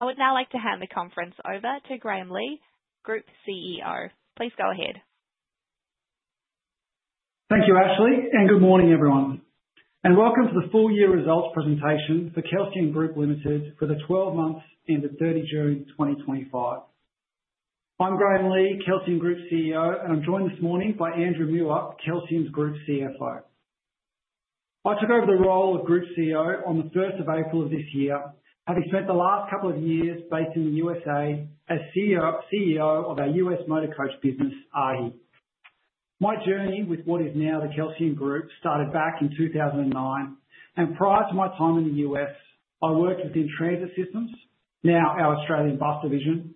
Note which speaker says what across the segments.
Speaker 1: I would now like to hand the conference over to Graeme Legh, Group CEO. Please go ahead.
Speaker 2: Thank you, Ashley, and good morning, everyone, and welcome to the full-year results presentation for Kelsian Group Limited for the 12 months ended 30 June 2025. I'm Graeme Legh, Kelsian Group CEO, and I'm joined this morning by Andrew Muir, Kelsian Group's CFO. I took over the role of Group CEO on the 1st of April of this year, having spent the last couple of years based in the U.S. as CEO of our U.S. motor coach business, AAAAHI. My journey with what is now the Kelsian Group started back in 2009, and prior to my time in the U.S., I worked within Transit Systems, now our Australian bus division,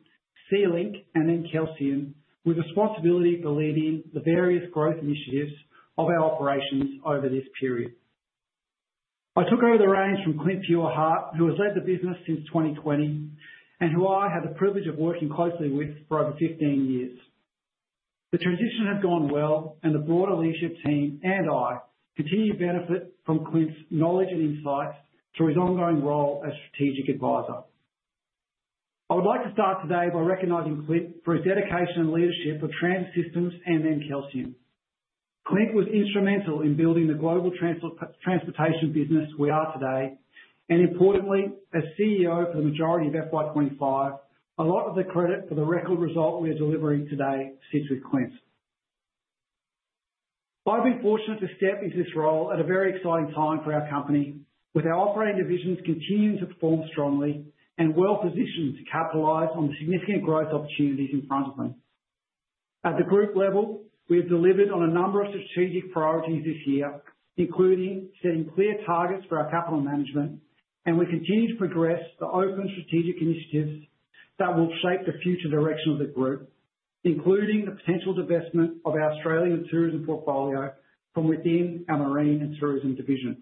Speaker 2: SeaLink, and then Kelsian, with responsibility for leading the various growth initiatives of our operations over this period. I took over the reins from Clint Feuerherdt, who has led the business since 2020 and who I had the privilege of working closely with for over 15 years. The transition has gone well, and the broader leadership team and I continue to benefit from Clint's knowledge and insights through his ongoing role as strategic advisor. I would like to start today by recognizing Clint for his dedication and leadership of Transit Systems and then Kelsian. Clint was instrumental in building the global transportation business we are today, and importantly, as CEO for the majority of FY25, a lot of the credit for the record result we are delivering today sits with Clint. I've been fortunate to step into this role at a very exciting time for our company, with our operating divisions continuing to perform strongly and well-positioned to capitalize on the significant growth opportunities in front of them. At the group level, we have delivered on a number of strategic priorities this year, including setting clear targets for our capital management, and we continue to progress the open strategic initiatives that will shape the future direction of the group, including the potential divestment of our Australian tourism portfolio from within our marine and tourism division.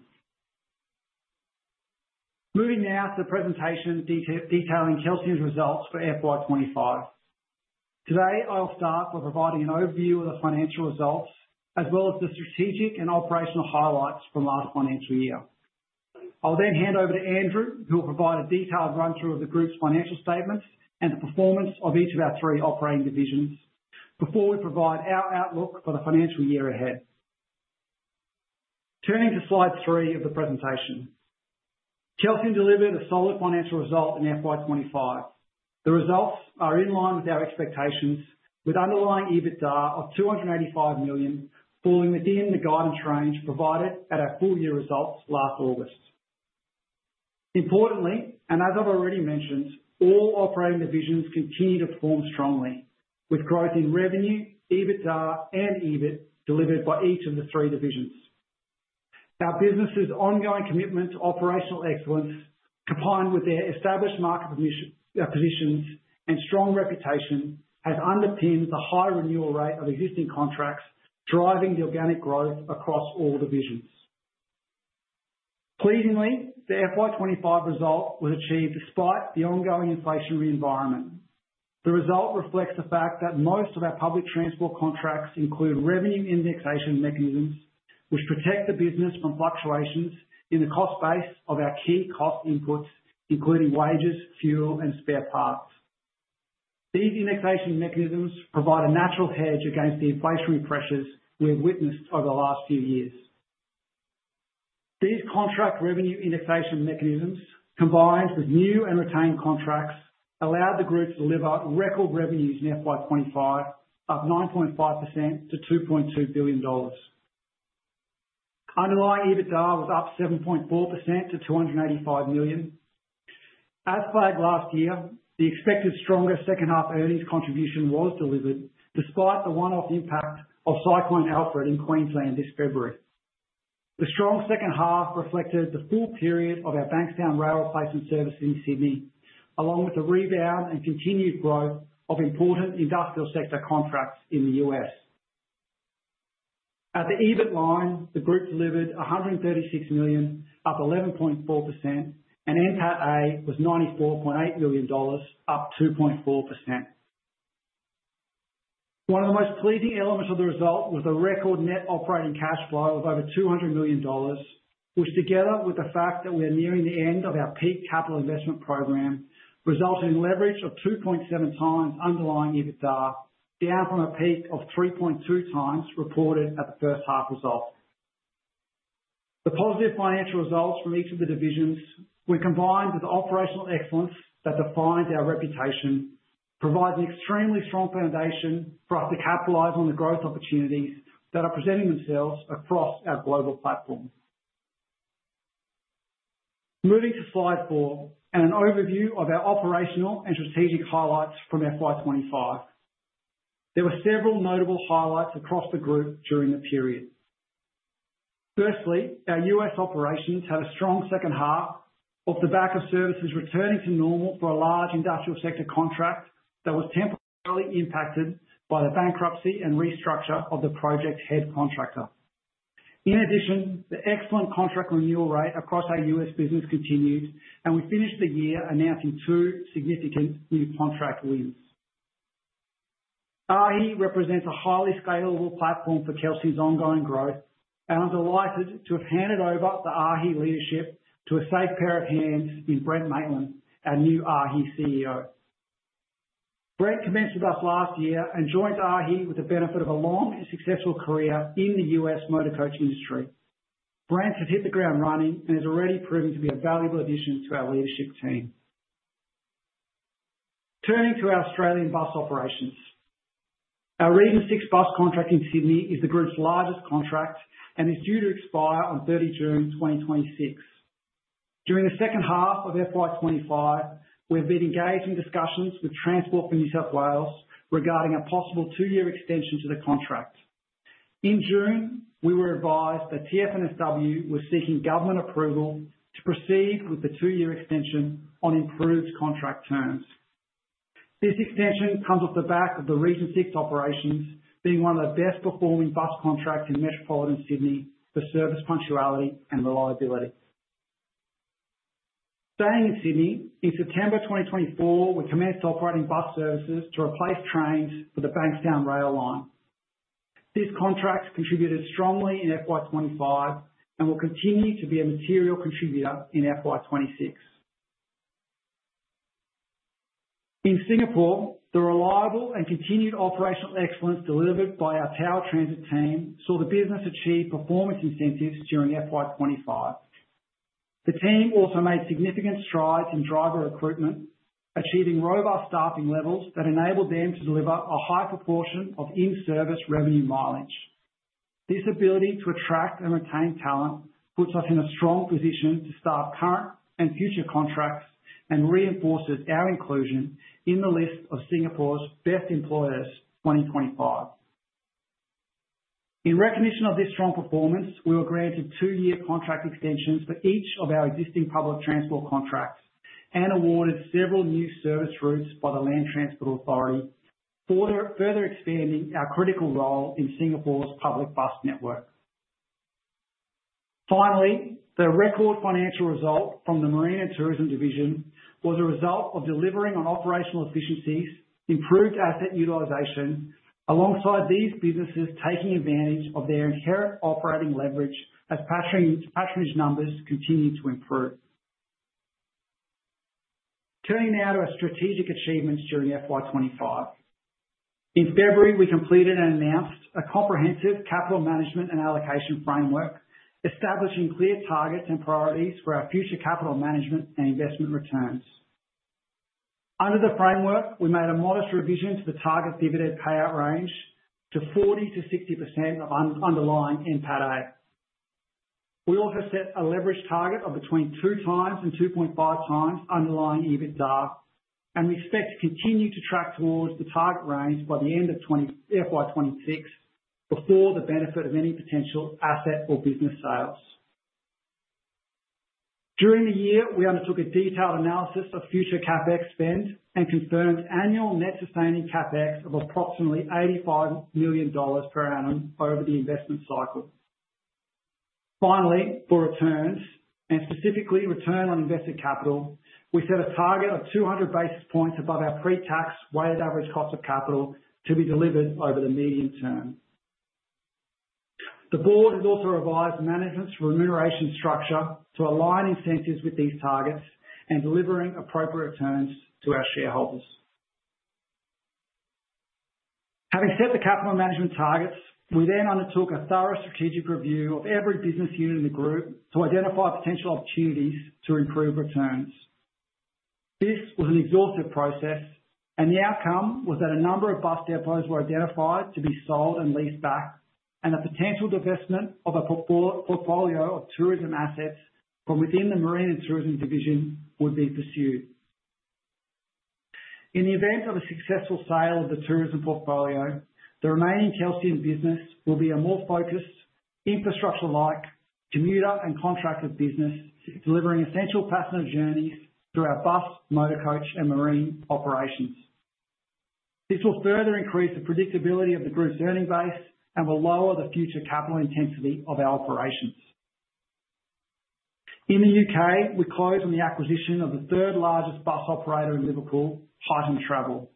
Speaker 2: Moving now to the presentation detailing Kelsian's results for FY25. Today, I'll start by providing an overview of the financial results as well as the strategic and operational highlights from last financial year. I'll then hand over to Andrew, who will provide a detailed run-through of the group's financial statements and the performance of each of our three operating divisions before we provide our outlook for the financial year ahead. Turning to slide three of the presentation, Kelsian delivered a solid financial result in FY25. The results are in line with our expectations, with underlying EBITDA of 285 million, falling within the guidance range provided at our full-year results last August. Importantly, and as I've already mentioned, all operating divisions continue to perform strongly, with growth in revenue, EBITDA, and EBIT delivered by each of the three divisions. Our business's ongoing commitment to operational excellence, combined with their established market positions, and strong reputation, has underpinned the high renewal rate of existing contracts, driving the organic growth across all divisions. Pleasingly, the FY25 result was achieved despite the ongoing inflationary environment. The result reflects the fact that most of our public transport contracts include revenue indexation mechanisms, which protect the business from fluctuations in the cost base of our key cost inputs, including wages, fuel, and spare parts. These indexation mechanisms provide a natural hedge against the inflationary pressures we have witnessed over the last few years. These contract revenue indexation mechanisms, combined with new and retained contracts, allowed the group to deliver record revenues in FY25 of 9.5% to 2.2 billion dollars. Underlying EBITDA was up 7.4% to 285 million. As flagged last year, the expected stronger second-half earnings contribution was delivered, despite the one-off impact of Cyclone Alfred in Queensland this February. The strong second half reflected the full period of our Bankstown Rail Replacement service in Sydney, along with the rebound and continued growth of important industrial sector contracts in the US. At the EBIT line, the group delivered 136 million, up 11.4%, and NPATA was 94.8 million dollars, up 2.4%. One of the most pleasing elements of the result was the record net operating cash flow of over 200 million dollars, which, together with the fact that we are nearing the end of our peak capital investment program, resulted in leverage of 2.7 times underlying EBITDA, down from a peak of 3.2 times reported at the first half result. The positive financial results from each of the divisions, when combined with the operational excellence that defined our reputation, provide an extremely strong foundation for us to capitalize on the growth opportunities that are presenting themselves across our global platform. Moving to slide four and an overview of our operational and strategic highlights from FY25, there were several notable highlights across the group during the period. Firstly, our U.S. operations had a strong second half, with the bulk of services returning to normal for a large industrial sector contract that was temporarily impacted by the bankruptcy and restructure of the project head contractor. In addition, the excellent contract renewal rate across our U.S. business continued, and we finished the year announcing two significant new contract wins. AAAAHI represents a highly scalable platform for Kelsian's ongoing growth, and I'm delighted to have handed over the AAAAHI leadership to a safe pair of hands in Brent Maitland, our new AAAAHI CEO. Brent commenced with us last year and joined AAAAHI with the benefit of a long and successful career in the U.S. motorcoach industry. Brent has hit the ground running and is already proving to be a valuable addition to our leadership team. Turning to our Australian bus operations, our Region 6 bus contract in Sydney is the group's largest contract and is due to expire on 30 June 2026. During the second half of FY25, we have been engaged in discussions with Transport for New South Wales regarding a possible two-year extension to the contract. In June, we were advised that TfNSW was seeking government approval to proceed with the two-year extension on improved contract terms. This extension comes off the back of the Region 6 operations being one of the best-performing bus contracts in metropolitan Sydney for service punctuality and reliability. Staying in Sydney, in September 2024, we commenced operating bus services to replace trains for the Bankstown rail line. This contract contributed strongly in FY25 and will continue to be a material contributor in FY26. In Singapore, the reliable and continued operational excellence delivered by our Tower Transit team saw the business achieve performance incentives during FY25. The team also made significant strides in driver recruitment, achieving robust staffing levels that enabled them to deliver a high proportion of in-service revenue mileage. This ability to attract and retain talent puts us in a strong position to staff current and future contracts and reinforces our inclusion in the list of Singapore's Best Employers 2025. In recognition of this strong performance, we were granted two-year contract extensions for each of our existing public transport contracts and awarded several new service routes by the Land Transport Authority, further expanding our critical role in Singapore's public bus network. Finally, the record financial result from the Marine and Tourism Division was a result of delivering on operational efficiencies, improved asset utilization, alongside these businesses taking advantage of their inherent operating leverage as patronage numbers continue to improve. Turning now to our strategic achievements during FY25. In February, we completed and announced a comprehensive capital management and allocation framework, establishing clear targets and priorities for our future capital management and investment returns. Under the framework, we made a modest revision to the target dividend payout range to 40%-60% of underlying NPATA. We also set a leverage target of between 2 times and 2.5 times underlying EBITDA, and we expect to continue to track towards the target range by the end of FY26 before the benefit of any potential asset or business sales. During the year, we undertook a detailed analysis of future CapEx spend and confirmed annual net sustaining CapEx of approximately 85 million dollars per annum over the investment cycle. Finally, for returns, and specifically return on invested capital, we set a target of 200 basis points above our pre-tax weighted average cost of capital to be delivered over the median term. The board has also revised management's remuneration structure to align incentives with these targets and delivering appropriate returns to our shareholders. Having set the capital management targets, we then undertook a thorough strategic review of every business unit in the group to identify potential opportunities to improve returns. This was an exhaustive process, and the outcome was that a number of bus depots were identified to be sold and leased back, and the potential divestment of a portfolio of tourism assets from within the Marine and Tourism Division would be pursued. In the event of a successful sale of the tourism portfolio, the remaining Kelsian business will be a more focused, infrastructure-like, commuter and contractor business, delivering essential passenger journeys through our bus, motor coach, and marine operations. This will further increase the predictability of the group's earning base and will lower the future capital intensity of our operations. In the U.K., we closed on the acquisition of the third-largest bus operator in Liverpool, Huyton Travel.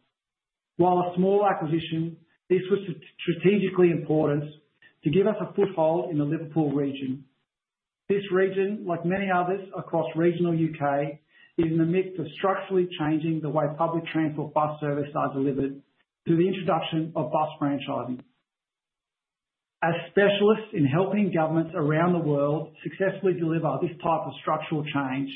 Speaker 2: While a small acquisition, this was strategically important to give us a foothold in the Liverpool region. This region, like many others across regional U.K., is in the midst of structurally changing the way public transport bus services are delivered through the introduction of bus franchising. As specialists in helping governments around the world successfully deliver this type of structural change,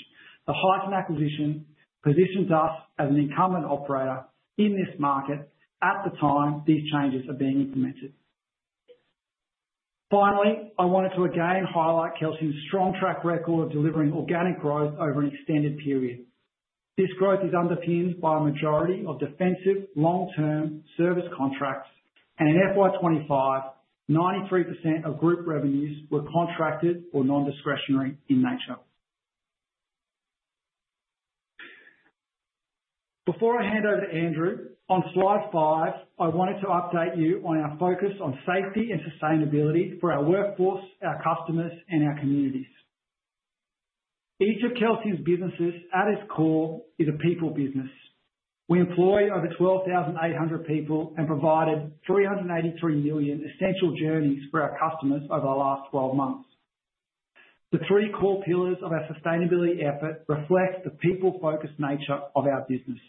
Speaker 2: the Huyton acquisition positions us as an incumbent operator in this market at the time these changes are being implemented. Finally, I wanted to again highlight Kelsian's strong track record of delivering organic growth over an extended period. This growth is underpinned by a majority of defensive long-term service contracts, and in FY25, 93% of group revenues were contracted or non-discretionary in nature. Before I hand over to Andrew, on slide five, I wanted to update you on our focus on safety and sustainability for our workforce, our customers, and our communities. Each of Kelsian's businesses, at its core, is a people business. We employ over 12,800 people and provided 383 million essential journeys for our customers over the last 12 months. The three core pillars of our sustainability effort reflect the people-focused nature of our business.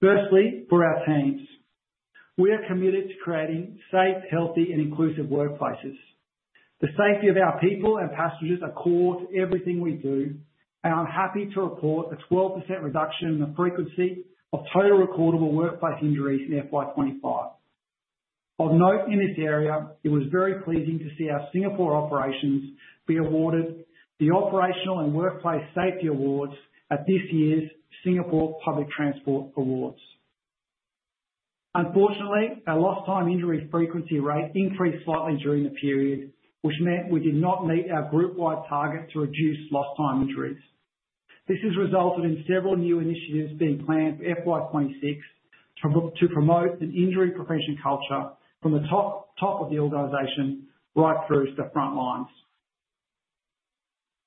Speaker 2: Firstly, for our teams, we are committed to creating safe, healthy, and inclusive workplaces. The safety of our people and passengers are core to everything we do, and I'm happy to report a 12% reduction in the frequency of total recordable workplace injuries in FY25. Of note in this area, it was very pleasing to see our Singapore operations be awarded the Operational and Workplace Safety Awards at this year's Singapore Public Transport Awards. Unfortunately, our lost-time injury frequency rate increased slightly during the period, which meant we did not meet our group-wide target to reduce lost-time injuries. This has resulted in several new initiatives being planned for FY26 to promote an injury prevention culture from the top of the organization right through to the front lines.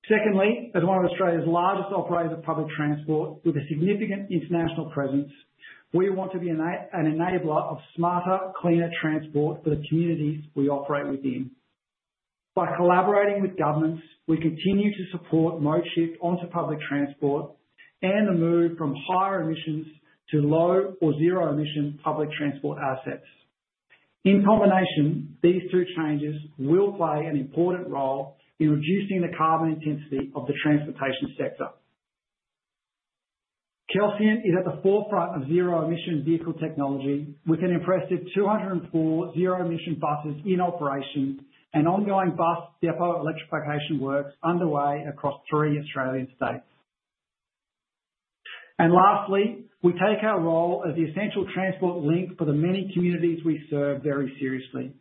Speaker 2: Secondly, as one of Australia's largest operators of public transport with a significant international presence, we want to be an enabler of smarter, cleaner transport for the communities we operate within. By collaborating with governments, we continue to support mode shift onto public transport and the move from higher emissions to low or zero-emission public transport assets. In combination, these two changes will play an important role in reducing the carbon intensity of the transportation sector. Kelsian is at the forefront of zero-emission vehicle technology with an impressive 204 zero-emission buses in operation and ongoing bus depot electrification works underway across three Australian states. And lastly, we take our role as the essential transport link for the many communities we serve very seriously.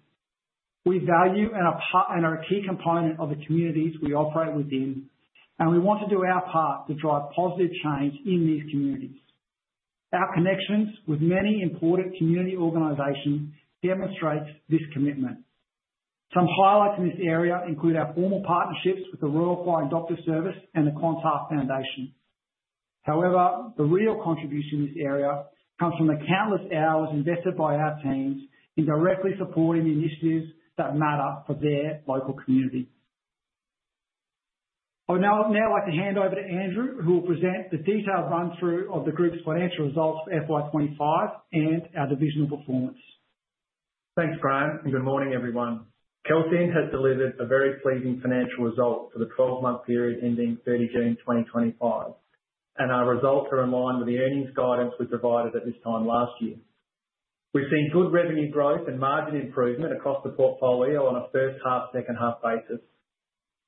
Speaker 2: We value and are a key component of the communities we operate within, and we want to do our part to drive positive change in these communities. Our connections with many important community organizations demonstrate this commitment. Some highlights in this area include our formal partnerships with the Royal Flying Doctor Service and the Clontarf Foundation. However, the real contribution in this area comes from the countless hours invested by our teams in directly supporting the initiatives that matter for their local community. I would now like to hand over to Andrew, who will present the detailed run-through of the group's financial results for FY25 and our divisional performance.
Speaker 3: Thanks, Graeme, and good morning, everyone. Kelsian has delivered a very pleasing financial result for the 12-month period ending 30 June 2025, and our results are in line with the earnings guidance we provided at this time last year. We've seen good revenue growth and margin improvement across the portfolio on a first half, second half basis.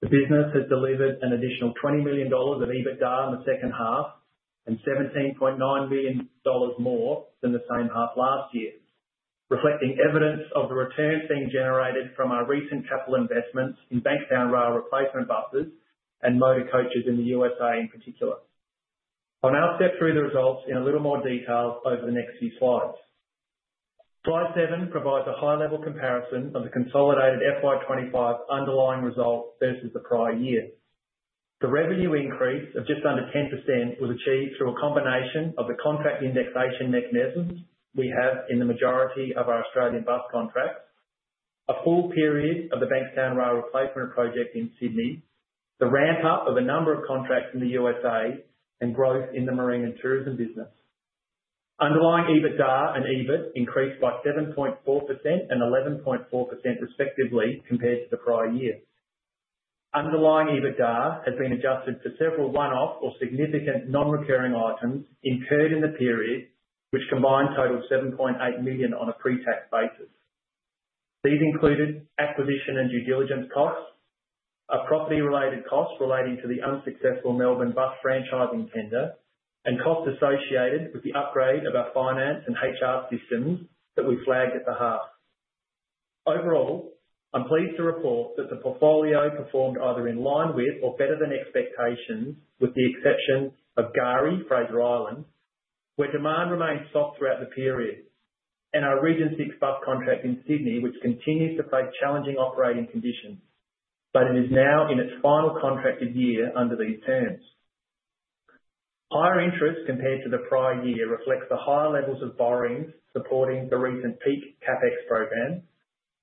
Speaker 3: The business has delivered an additional 20 million dollars of EBITDA in the second half and 17.9 million dollars more than the same half last year, reflecting evidence of the returns being generated from our recent capital investments in Bankstown rail replacement buses and motor coaches in the U.S. in particular. I'll now step through the results in a little more detail over the next few slides. Slide seven provides a high-level comparison of the consolidated FY25 underlying result versus the prior year. The revenue increase of just under 10% was achieved through a combination of the contract indexation mechanisms we have in the majority of our Australian bus contracts, a full period of the Bankstown rail replacement project in Sydney, the ramp-up of a number of contracts in the USA, and growth in the Marine and Tourism business. Underlying EBITDA and EBIT increased by 7.4% and 11.4% respectively compared to the prior year. Underlying EBITDA has been adjusted for several one-off or significant non-recurring items incurred in the period, which combined totaled 7.8 million on a pre-tax basis. These included acquisition and due diligence costs, a property-related cost relating to the unsuccessful Melbourne bus franchising tender, and costs associated with the upgrade of our finance and HR systems that we flagged at the half. Overall, I'm pleased to report that the portfolio performed either in line with or better than expectations, with the exception of K'gari, Fraser Island, where demand remained soft throughout the period, and our Region 6 bus contract in Sydney, which continues to face challenging operating conditions, but it is now in its final contracted year under these terms. Higher interest compared to the prior year reflects the higher levels of borrowings supporting the recent peak CapEx program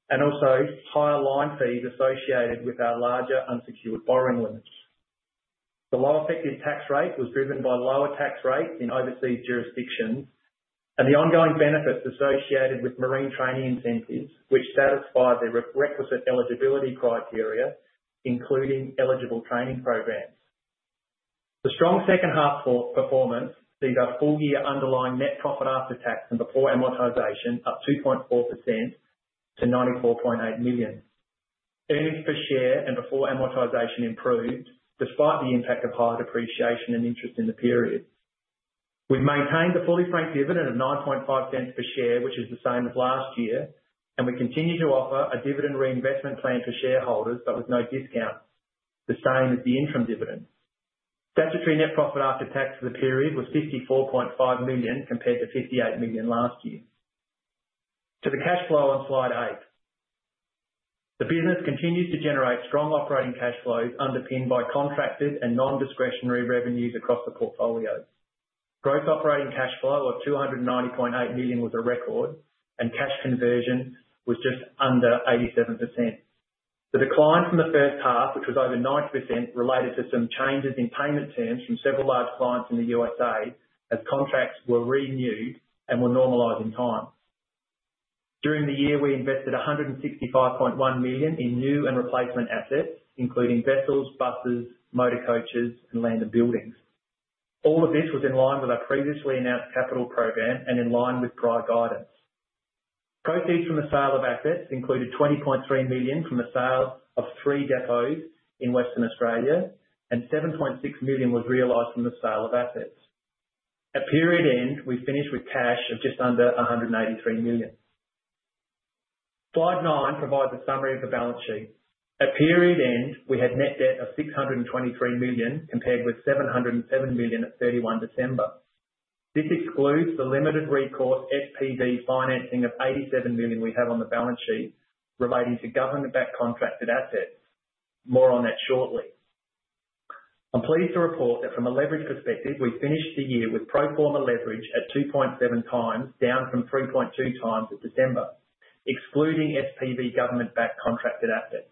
Speaker 3: and also higher line fees associated with our larger unsecured borrowing limits. The low effective tax rate was driven by lower tax rates in overseas jurisdictions and the ongoing benefits associated with marine training incentives, which satisfy the requisite eligibility criteria, including eligible training programs. The strong second half performance sees our full-year underlying net profit after tax and before amortization up 2.4% to 94.8 million. Earnings per share and before amortization improved despite the impact of higher depreciation and interest in the period. We've maintained the fully franked dividend of 9.50 per share, which is the same as last year, and we continue to offer a dividend reinvestment plan for shareholders, but with no discount, the same as the interim dividend. Statutory net profit after tax for the period was 54.5 million compared to 58 million last year. To the cash flow on slide eight, the business continues to generate strong operating cash flows underpinned by contracted and non-discretionary revenues across the portfolio. Gross operating cash flow of 290.8 million was a record, and cash conversion was just under 87%. The decline from the first half, which was over 90%, related to some changes in payment terms from several large clients in the USA as contracts were renewed and were normalized in time. During the year, we invested 165.1 million in new and replacement assets, including vessels, buses, motor coaches, and land and buildings. All of this was in line with our previously announced capital program and in line with prior guidance. Proceeds from the sale of assets included 20.3 million from the sale of three depots in Western Australia, and 7.6 million was realized from the sale of assets. At period end, we finished with cash of just under 183 million. Slide nine provides a summary of the balance sheet. At period end, we had net debt of 623 million compared with 707 million at 31 December. This excludes the limited recourse SPV financing of 87 million we have on the balance sheet relating to government-backed contracted assets. More on that shortly. I'm pleased to report that from a leverage perspective, we finished the year with pro forma leverage at 2.7 times, down from 3.2 times at December, excluding SPV government-backed contracted assets.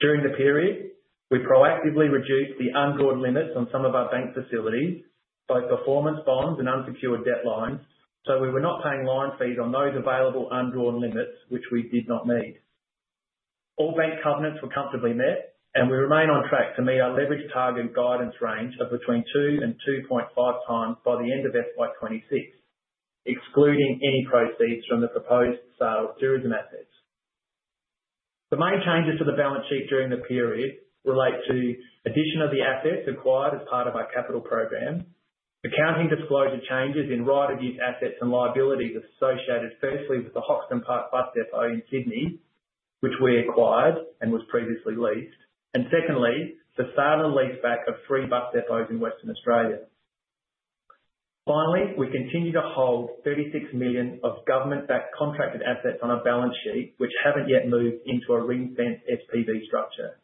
Speaker 3: During the period, we proactively reduced the un-drawn limits on some of our bank facilities, both performance bonds and unsecured debt lines, so we were not paying line fees on those available un-drawn limits, which we did not need. All bank covenants were comfortably met, and we remain on track to meet our leverage target guidance range of between 2 and 2.5 times by the end of FY26, excluding any proceeds from the proposed sale of tourism assets. The main changes to the balance sheet during the period relate to addition of the assets acquired as part of our capital program, accounting disclosure changes in right-of-use assets and liabilities associated firstly with the Hoxton Park Bus Depot in Sydney, which we acquired and was previously leased, and secondly, the sale and lease back of three bus depots in Western Australia. Finally, we continue to hold 36 million of government-backed contracted assets on our balance sheet, which haven't yet moved into a ring-fenced SPV structure.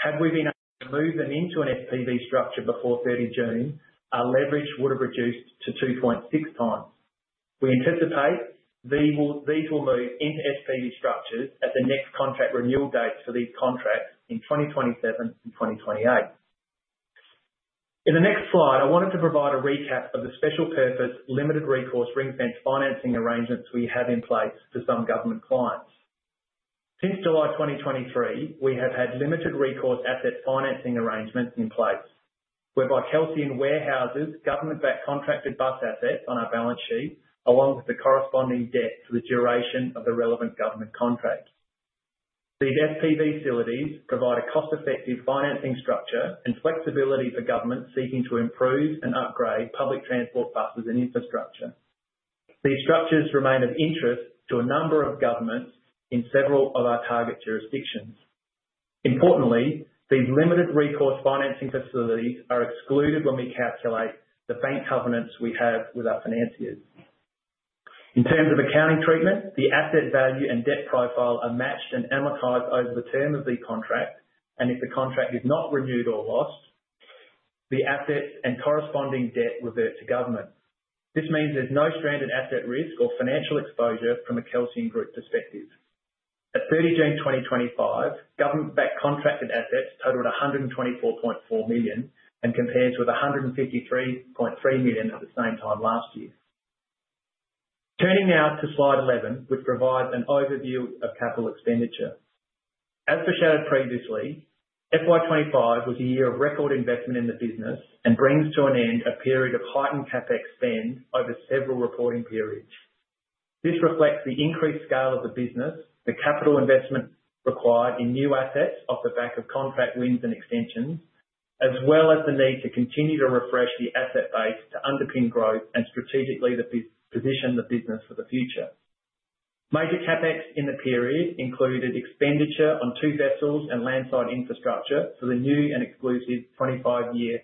Speaker 3: Had we been able to move them into an SPV structure before 30 June, our leverage would have reduced to 2.6 times. We anticipate these will move into SPV structures at the next contract renewal dates for these contracts in 2027 and 2028. In the next slide, I wanted to provide a recap of the special purpose limited recourse ring-fenced financing arrangements we have in place for some government clients. Since July 2023, we have had limited recourse asset financing arrangements in place, whereby Kelsian warehouses government-backed contracted bus assets on our balance sheet along with the corresponding debt for the duration of the relevant government contract. These SPV facilities provide a cost-effective financing structure and flexibility for governments seeking to improve and upgrade public transport buses and infrastructure. These structures remain of interest to a number of governments in several of our target jurisdictions. Importantly, these limited recourse financing facilities are excluded when we calculate the bank covenants we have with our financiers. In terms of accounting treatment, the asset value and debt profile are matched and amortized over the term of the contract, and if the contract is not renewed or lost, the assets and corresponding debt revert to government. This means there's no stranded asset risk or financial exposure from a Kelsian Group perspective. At 30 June 2025, government-backed contracted assets totaled 124.4 million, compared with 153.3 million at the same time last year. Turning now to slide 11, which provides an overview of capital expenditure. As foreshadowed previously, FY25 was a year of record investment in the business and brings to an end a period of heightened CapEx spend over several reporting periods. This reflects the increased scale of the business, the capital investment required in new assets off the back of contract wins and extensions, as well as the need to continue to refresh the asset base to underpin growth and strategically position the business for the future. Major CapEx in the period included expenditure on two vessels and landside infrastructure for the new and exclusive 25-year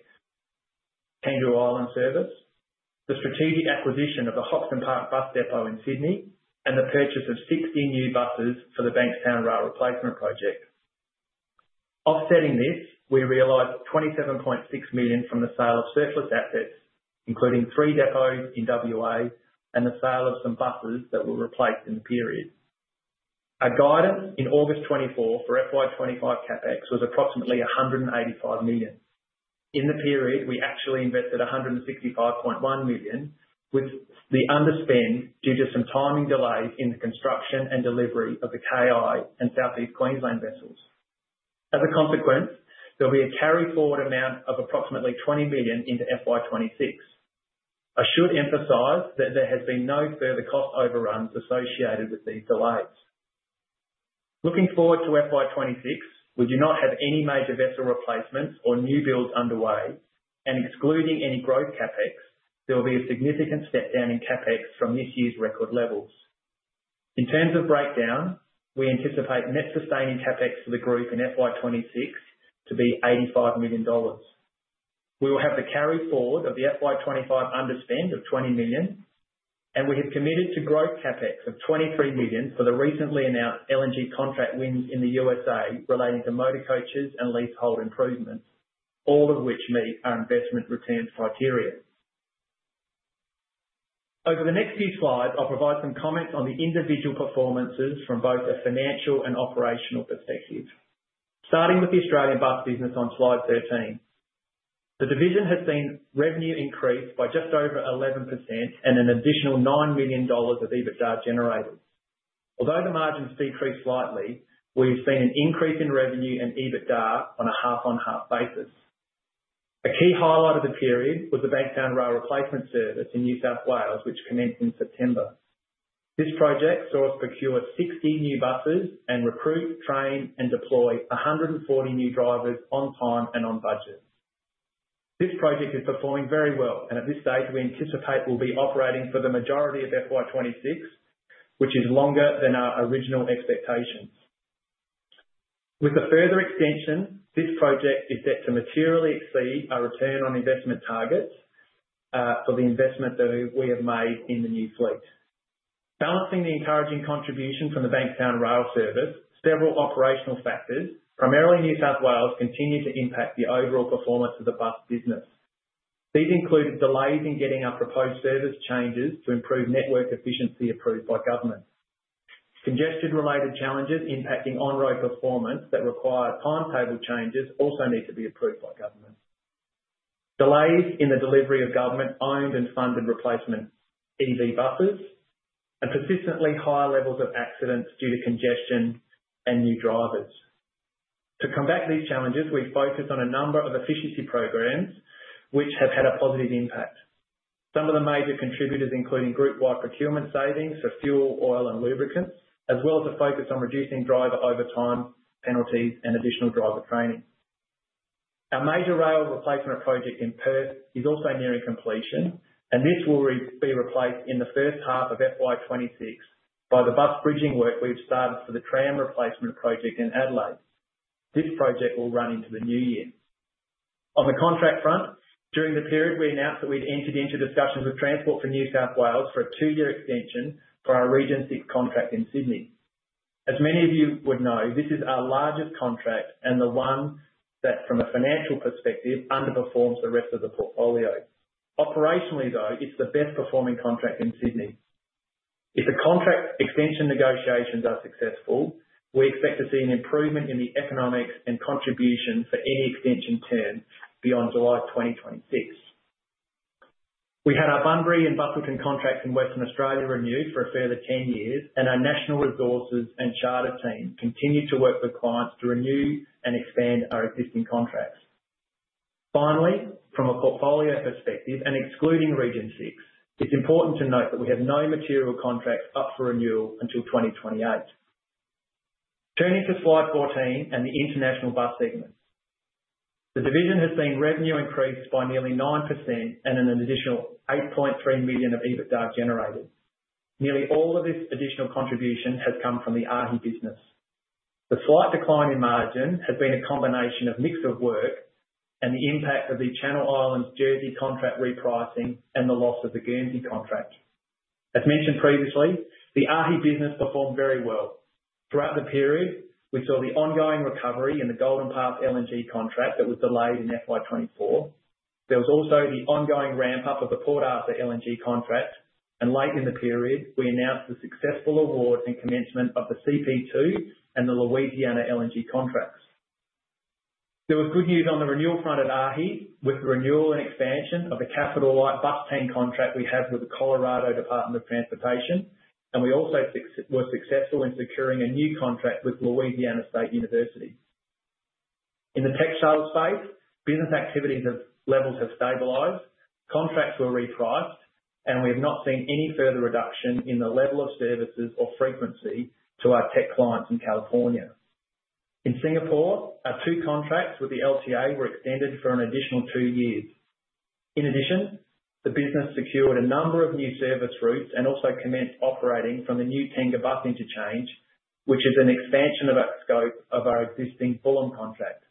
Speaker 3: Kangaroo Island service, the strategic acquisition of the Hoxton Park Bus Depot in Sydney, and the purchase of 16 new buses for the Bankstown rail replacement project. Offsetting this, we realized 27.6 million from the sale of surplus assets, including three depots in WA and the sale of some buses that were replaced in the period. Our guidance in August 2024 for FY25 CapEx was approximately 185 million. In the period, we actually invested 165.1 million, with the underspend due to some timing delays in the construction and delivery of the KI and Southeast Queensland vessels. As a consequence, there'll be a carryforward amount of approximately 20 million into FY26. I should emphasize that there has been no further cost overruns associated with these delays. Looking forward to FY26, we do not have any major vessel replacements or new builds underway, and excluding any growth CapEx, there will be a significant step down in CapEx from this year's record levels. In terms of breakdown, we anticipate net sustaining CapEx for the group in FY26 to be 85 million dollars. We will have the carryforward of the FY25 underspend of 20 million, and we have committed to growth CapEx of 23 million for the recently announced LNG contract wins in the USA relating to motor coaches and leasehold improvements, all of which meet our investment returns criteria. Over the next few slides, I'll provide some comments on the individual performances from both a financial and operational perspective. Starting with the Australian Bus business on slide 13, the division has seen revenue increase by just over 11% and an additional 9 million dollars of EBITDA generated. Although the margins decreased slightly, we've seen an increase in revenue and EBITDA on a half-on-half basis. A key highlight of the period was the Bankstown Rail Replacement service in New South Wales, which commenced in September. This project saw us procure 60 new buses and recruit, train, and deploy 140 new drivers on time and on budget. This project is performing very well, and at this stage, we anticipate we'll be operating for the majority of FY26, which is longer than our original expectations. With the further extension, this project is set to materially exceed our return on investment targets for the investment that we have made in the new fleet. Balancing the encouraging contribution from the Bankstown rail service, several operational factors, primarily New South Wales, continue to impact the overall performance of the bus business. These included delays in getting our proposed service changes to improve network efficiency approved by government. Congestion-related challenges impacting on-road performance that require timetable changes also need to be approved by government. Delays in the delivery of government-owned and funded replacement EV buses and persistently higher levels of accidents due to congestion and new drivers. To combat these challenges, we focus on a number of efficiency programs, which have had a positive impact. Some of the major contributors include group-wide procurement savings for fuel, oil, and lubricants, as well as a focus on reducing driver overtime penalties and additional driver training. Our major rail replacement project in Perth is also nearing completion, and this will be replaced in the first half of FY26 by the bus bridging work we've started for the tram replacement project in Adelaide. This project will run into the new year. On the contract front, during the period, we announced that we'd entered into discussions with Transport for New South Wales for a two-year extension for our Region 6 contract in Sydney. As many of you would know, this is our largest contract and the one that, from a financial perspective, underperforms the rest of the portfolio. Operationally, though, it's the best-performing contract in Sydney. If the contract extension negotiations are successful, we expect to see an improvement in the economics and contribution for any extension term beyond July 2026. We had our Bunbury and Busselton contracts in Western Australia renewed for a further 10 years, and our national resources and charter team continue to work with clients to renew and expand our existing contracts. Finally, from a portfolio perspective and excluding Region 6, it's important to note that we have no material contracts up for renewal until 2028. Turning to Slide 14 and the International Bus segment, the division has seen revenue increased by nearly 9% and an additional 8.3 million of EBITDA generated. Nearly all of this additional contribution has come from the AAAAHI business. The slight decline in margin has been a combination of mix of work and the impact of the Channel Islands Jersey contract repricing and the loss of the Guernsey contract. As mentioned previously, the AAAAHI business performed very well. Throughout the period, we saw the ongoing recovery in the Golden Pass LNG contract that was delayed in FY24. There was also the ongoing ramp-up of the Port Arthur LNG contract, and late in the period, we announced the successful award and commencement of the CP2 LNG and the Louisiana LNG contracts. There was good news on the renewal front at AAAAHI, with the renewal and expansion of the capital light bus team contract we had with the Colorado Department of Transportation, and we also were successful in securing a new contract with Louisiana State University. In the tech sales space, business activity levels have stabilized, contracts were repriced, and we have not seen any further reduction in the level of services or frequency to our tech clients in California. In Singapore, our two contracts with the LTA were extended for an additional two years. In addition, the business secured a number of new service routes and also commenced operating from the new Tengah Bus Interchange, which is an expansion of our scope of our existing Bulim contract.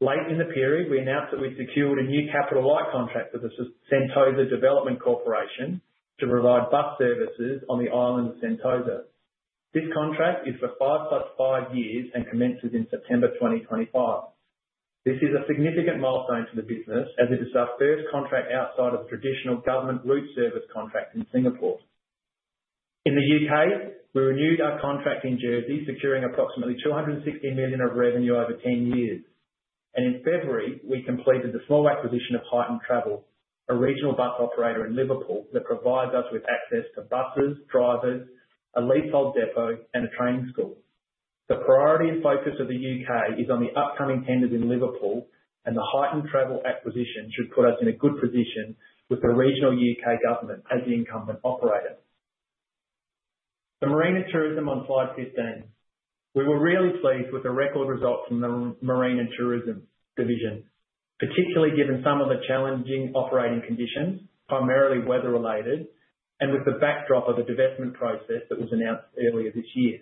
Speaker 3: Late in the period, we announced that we'd secured a new capital light contract with the Sentosa Development Corporation to provide bus services on the island of Sentosa. This contract is for five plus five years and commences in September 2025. This is a significant milestone for the business, as it is our first contract outside of the traditional government route service contract in Singapore. In the U.K., we renewed our contract in Jersey, securing approximately 260 million of revenue over 10 years, and in February, we completed the small acquisition of Huyton Travel, a regional bus operator in Liverpool that provides us with access to buses, drivers, a leasehold depot, and a training school. The priority and focus of the U.K. is on the upcoming tenders in Liverpool, and the Huyton Travel acquisition should put us in a good position with the regional U.K. government as the incumbent operator. The marine and tourism on slide 15. We were really pleased with the record results from the marine and tourism division, particularly given some of the challenging operating conditions, primarily weather-related, and with the backdrop of the divestment process that was announced earlier this year.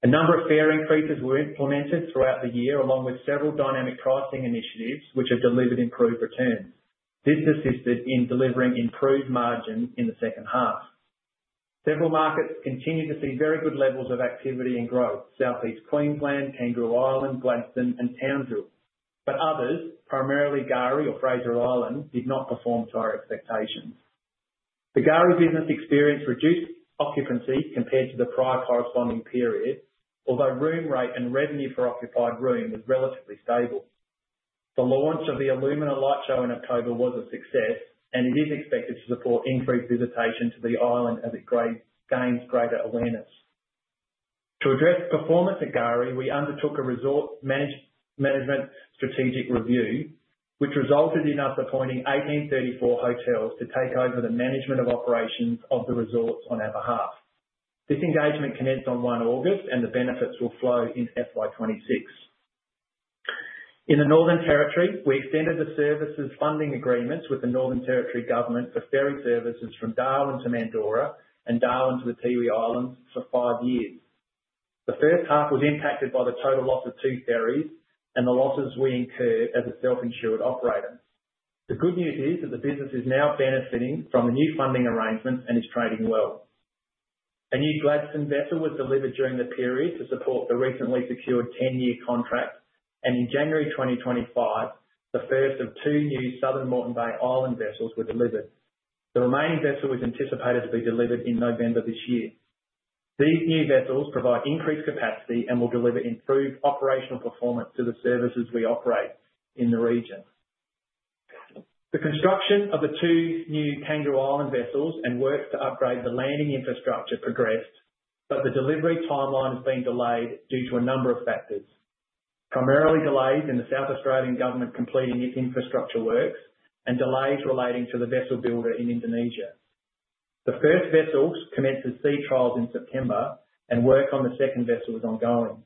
Speaker 3: A number of fare increases were implemented throughout the year, along with several dynamic pricing initiatives, which have delivered improved returns. This assisted in delivering improved margins in the second half. Several markets continue to see very good levels of activity and growth: Southeast Queensland, Kangaroo Island, Gladstone, and Townsville, but others, primarily K'gari or Fraser Island, did not perform to our expectations. The K'gari business experienced reduced occupancy compared to the prior corresponding period, although room rate and revenue for occupied room was relatively stable. The launch of the Illumina light show in October was a success, and it is expected to support increased visitation to the island as it gains greater awareness. To address performance at K'gari, we undertook a resort management strategic review, which resulted in us appointing 1834 Hotels to take over the management of operations of the resorts on our behalf. This engagement commenced on 1 August, and the benefits will flow in FY26. In the Northern Territory, we extended the services funding agreements with the Northern Territory government for ferry services from Darwin to Mandorah and Darwin to the Tiwi Islands for five years. The first half was impacted by the total loss of two ferries and the losses we incurred as a self-insured operator. The good news is that the business is now benefiting from the new funding arrangements and is trading well. A new Gladstone vessel was delivered during the period to support the recently secured 10-year contract, and in January 2025, the first of two new Southern Moreton Bay Islands vessels were delivered. The remaining vessel is anticipated to be delivered in November this year. These new vessels provide increased capacity and will deliver improved operational performance to the services we operate in the region. The construction of the two new Kangaroo Island vessels and works to upgrade the landing infrastructure progressed, but the delivery timeline has been delayed due to a number of factors, primarily delays in the South Australian government completing its infrastructure works and delays relating to the vessel builder in Indonesia. The first vessel commenced its sea trials in September, and work on the second vessel is ongoing.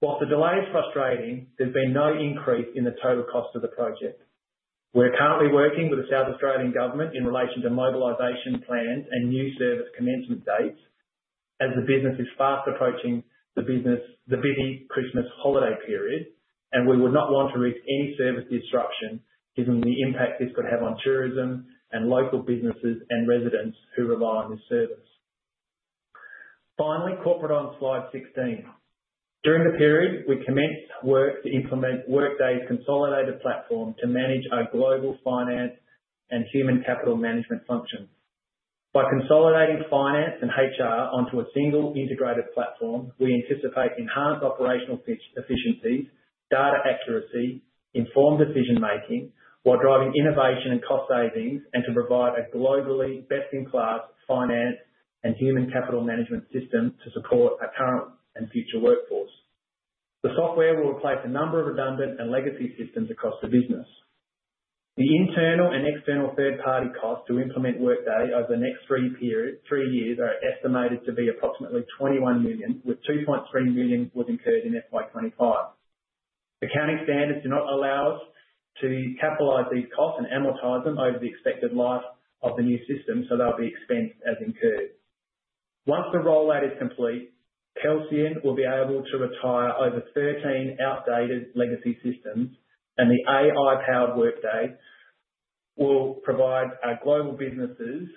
Speaker 3: While the delay is frustrating, there's been no increase in the total cost of the project. We're currently working with the South Australian government in relation to mobilization plans and new service commencement dates, as the business is fast approaching the busy Christmas holiday period, and we would not want to risk any service disruption given the impact this could have on tourism and local businesses and residents who rely on this service. Finally, corporate on slide 16. During the period, we commenced work to implement Workday's consolidated platform to manage our global finance and human capital management functions. By consolidating finance and HR onto a single integrated platform, we anticipate enhanced operational efficiencies, data accuracy, informed decision-making, while driving innovation and cost savings and to provide a globally best-in-class finance and human capital management system to support our current and future workforce. The software will replace a number of redundant and legacy systems across the business. The internal and external third-party costs to implement Workday over the next three years are estimated to be approximately 21 million, with 2.3 million incurred in FY25. Accounting standards do not allow us to capitalize these costs and amortize them over the expected life of the new system, so they'll be expensed as incurred. Once the rollout is complete, Kelsian will be able to retire over 13 outdated legacy systems, and the AI-powered Workday will provide our global businesses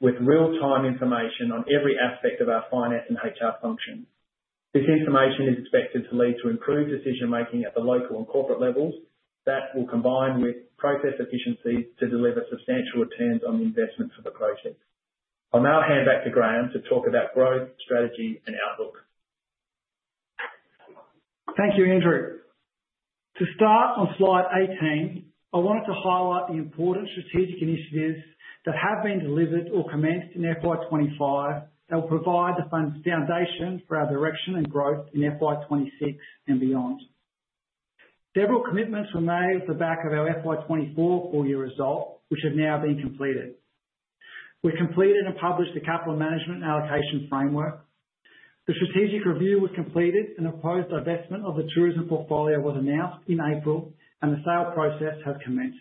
Speaker 3: with real-time information on every aspect of our finance and HR function. This information is expected to lead to improved decision-making at the local and corporate levels that will combine with process efficiencies to deliver substantial returns on the investment for the project. I'll now hand back to Graeme to talk about growth strategy and outlook.
Speaker 2: Thank you, Andrew. To start on slide 18, I wanted to highlight the important strategic initiatives that have been delivered or commenced in FY25 that will provide the firm's foundation for our direction and growth in FY26 and beyond. Several commitments were made at the back of our FY24 full-year result, which have now been completed. We completed and published the capital management allocation framework. The strategic review was completed, and the proposed divestment of the tourism portfolio was announced in April, and the sale process has commenced.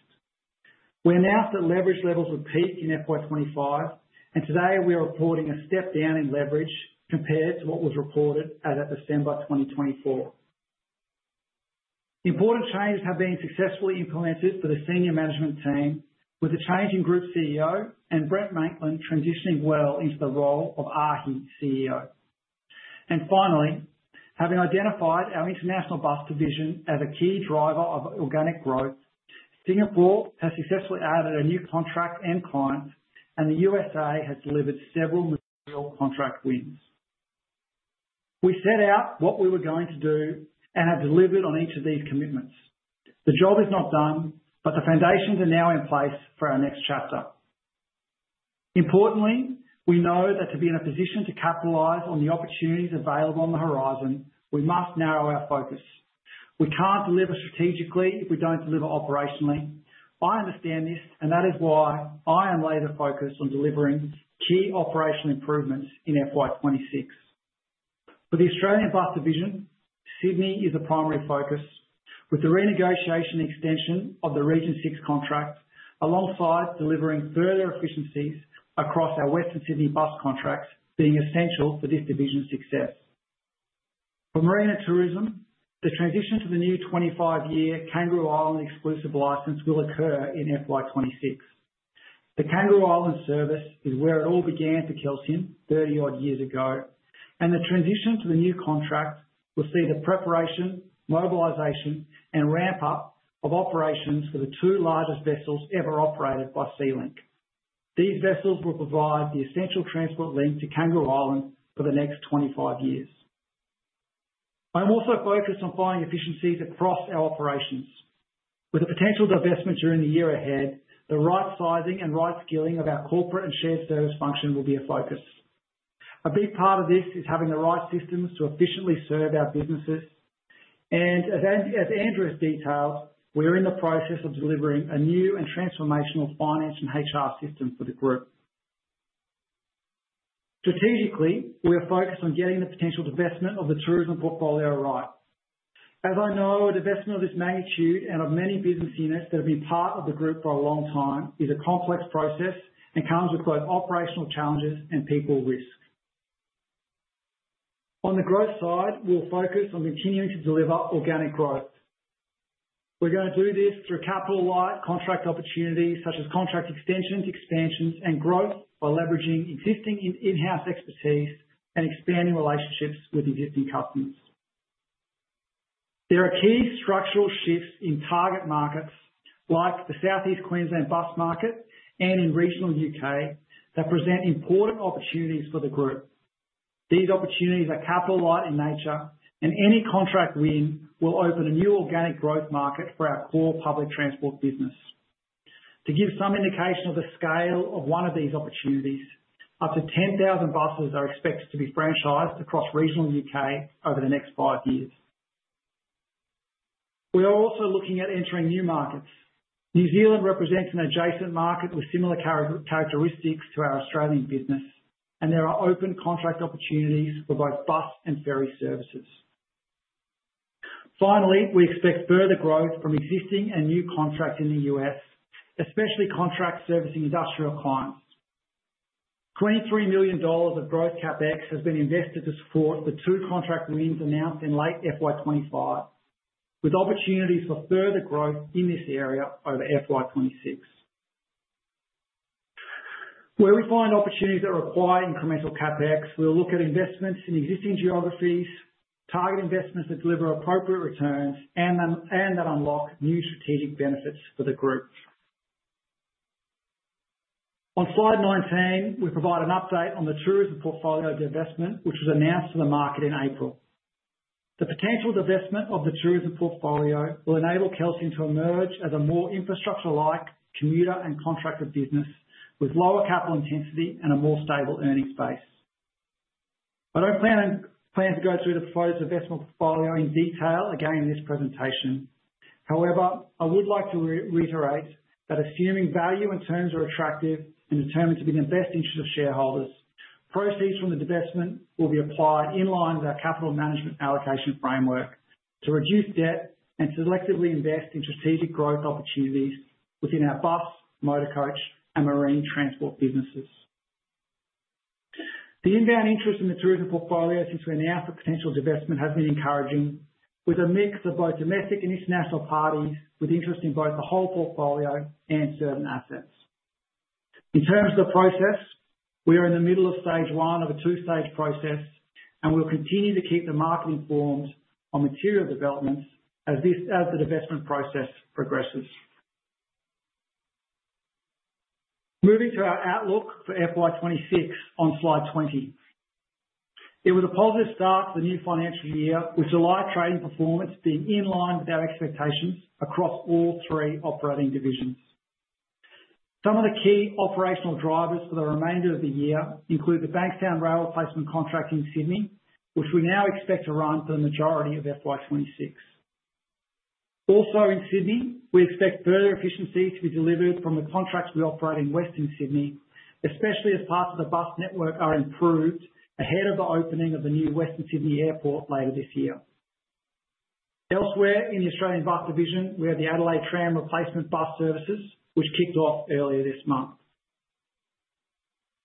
Speaker 2: We announced that leverage levels would peak in FY25, and today we are reporting a step down in leverage compared to what was reported as at December 2024. Important changes have been successfully implemented for the senior management team, with the change in Group CEO and Brent Maitland transitioning well into the role of AAAAAAHI CEO. Finally, having identified our International Bus division as a key driver of organic growth, Singapore has successfully added a new contract and client, and the USA has delivered several real contract wins. We set out what we were going to do and have delivered on each of these commitments. The job is not done, but the foundations are now in place for our next chapter. Importantly, we know that to be in a position to capitalize on the opportunities available on the horizon, we must narrow our focus. We can't deliver strategically if we don't deliver operationally. I understand this, and that is why I am laser-focused on delivering key operational improvements in FY26. For the Australian bus division, Sydney is the primary focus, with the renegotiation and extension of the Region 6 contract, alongside delivering further efficiencies across our Western Sydney bus contract, being essential for this division's success. For marine and tourism, the transition to the new 25-year Kangaroo Island exclusive license will occur in FY26. The Kangaroo Island service is where it all began for Kelsian 30-odd years ago, and the transition to the new contract will see the preparation, mobilization, and ramp-up of operations for the two largest vessels ever operated by SeaLink. These vessels will provide the essential transport link to Kangaroo Island for the next 25 years. I'm also focused on following efficiencies across our operations. With the potential divestment during the year ahead, the right sizing and right scaling of our corporate and shared service function will be a focus. A big part of this is having the right systems to efficiently serve our businesses, and as Andrew has detailed, we are in the process of delivering a new and transformational finance and HR system for the group. Strategically, we are focused on getting the potential divestment of the tourism portfolio right. As I know, a divestment of this magnitude and of many business units that have been part of the group for a long time is a complex process and comes with both operational challenges and people risk. On the growth side, we'll focus on continuing to deliver organic growth. We're going to do this through capital light contract opportunities such as contract extensions, expansions, and growth by leveraging existing in-house expertise and expanding relationships with existing customers. There are key structural shifts in target markets like the Southeast Queensland bus market and in regional UK that present important opportunities for the group. These opportunities are capital light in nature, and any contract win will open a new organic growth market for our core public transport business. To give some indication of the scale of one of these opportunities, up to 10,000 buses are expected to be franchised across regional UK over the next five years. We are also looking at entering new markets. New Zealand represents an adjacent market with similar characteristics to our Australian business, and there are open contract opportunities for both bus and ferry services. Finally, we expect further growth from existing and new contracts in the US, especially contracts servicing industrial clients. 23 million dollars of growth CapEx has been invested to support the two contract wins announced in late FY25, with opportunities for further growth in this area over FY26. Where we find opportunities that require incremental CapEx, we'll look at investments in existing geographies, target investments that deliver appropriate returns, and that unlock new strategic benefits for the group. On slide 19, we provide an update on the tourism portfolio divestment, which was announced to the market in April. The potential divestment of the tourism portfolio will enable Kelsian to emerge as a more infrastructure-like commuter and contractor business with lower capital intensity and a more stable earnings base. I don't plan to go through the proposed divestment portfolio in detail again in this presentation. However, I would like to reiterate that assuming value and terms are attractive and determined to be in the best interest of shareholders, proceeds from the divestment will be applied in line with our capital management allocation framework to reduce debt and selectively invest in strategic growth opportunities within our bus, motorcoach, and marine transport businesses. The inbound interest in the tourism portfolio since we announced the potential divestment has been encouraging, with a mix of both domestic and international parties with interest in both the whole portfolio and certain assets. In terms of the process, we are in the middle of stage one of a two-stage process, and we'll continue to keep the market informed on material developments as the divestment process progresses. Moving to our outlook for FY26 on slide 20. It was a positive start to the new financial year, with July trading performance being in line with our expectations across all three operating divisions. Some of the key operational drivers for the remainder of the year include the Bankstown Rail Replacement contract in Sydney, which we now expect to run for the majority of FY26. Also in Sydney, we expect further efficiencies to be delivered from the contracts we operate in Western Sydney, especially as parts of the bus network are improved ahead of the opening of the new Western Sydney Airport later this year. Elsewhere in the Australian bus division, we have the Adelaide tram replacement bus services, which kicked off earlier this month.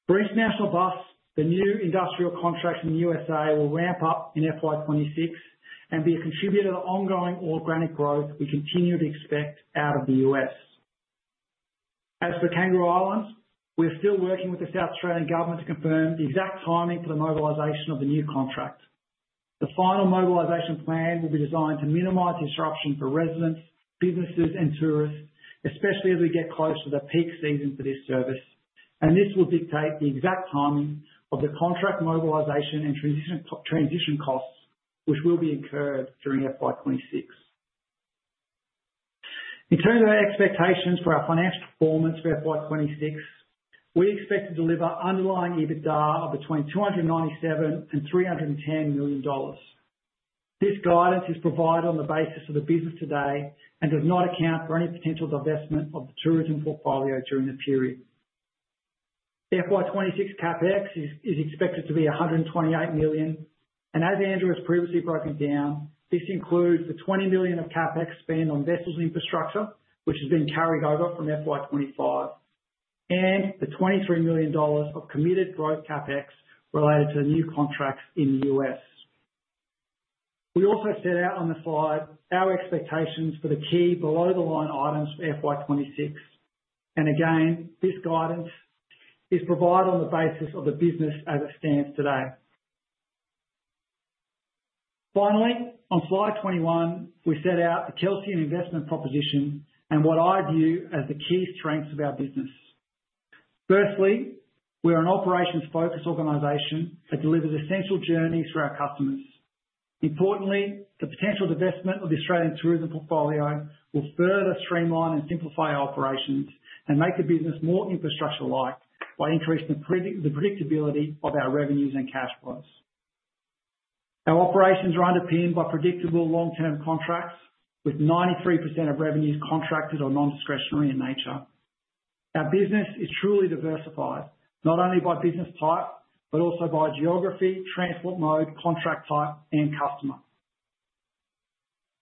Speaker 2: For International Bus, the new industrial contracts in the USA will ramp up in FY26 and be a contributor to the ongoing organic growth we continue to expect out of the US. As for Kangaroo Island, we are still working with the South Australian government to confirm the exact timing for the mobilization of the new contract. The final mobilization plan will be designed to minimize disruption for residents, businesses, and tourists, especially as we get close to the peak season for this service, and this will dictate the exact timing of the contract mobilization and transition costs, which will be incurred during FY26. In terms of our expectations for our financial performance for FY26, we expect to deliver underlying EBITDA of between 297 million and 310 million dollars. This guidance is provided on the basis of the business today and does not account for any potential divestment of the tourism portfolio during the period. FY26 CapEx is expected to be 128 million, and as Andrew has previously broken down, this includes the 20 million of CapEx spent on vessels and infrastructure, which has been carried over from FY25, and the 23 million dollars of committed growth CapEx related to the new contracts in the U.S. We also set out on the slide our expectations for the key below-the-line items for FY26, and again, this guidance is provided on the basis of the business as it stands today. Finally, on slide 21, we set out the Kelsian investment proposition and what I view as the key strengths of our business. Firstly, we are an operations-focused organization that delivers essential journeys for our customers. Importantly, the potential divestment of the Australian tourism portfolio will further streamline and simplify our operations and make the business more infrastructure-like by increasing the predictability of our revenues and cash flows. Our operations are underpinned by predictable long-term contracts, with 93% of revenues contracted or non-discretionary in nature. Our business is truly diversified, not only by business type but also by geography, transport mode, contract type, and customer.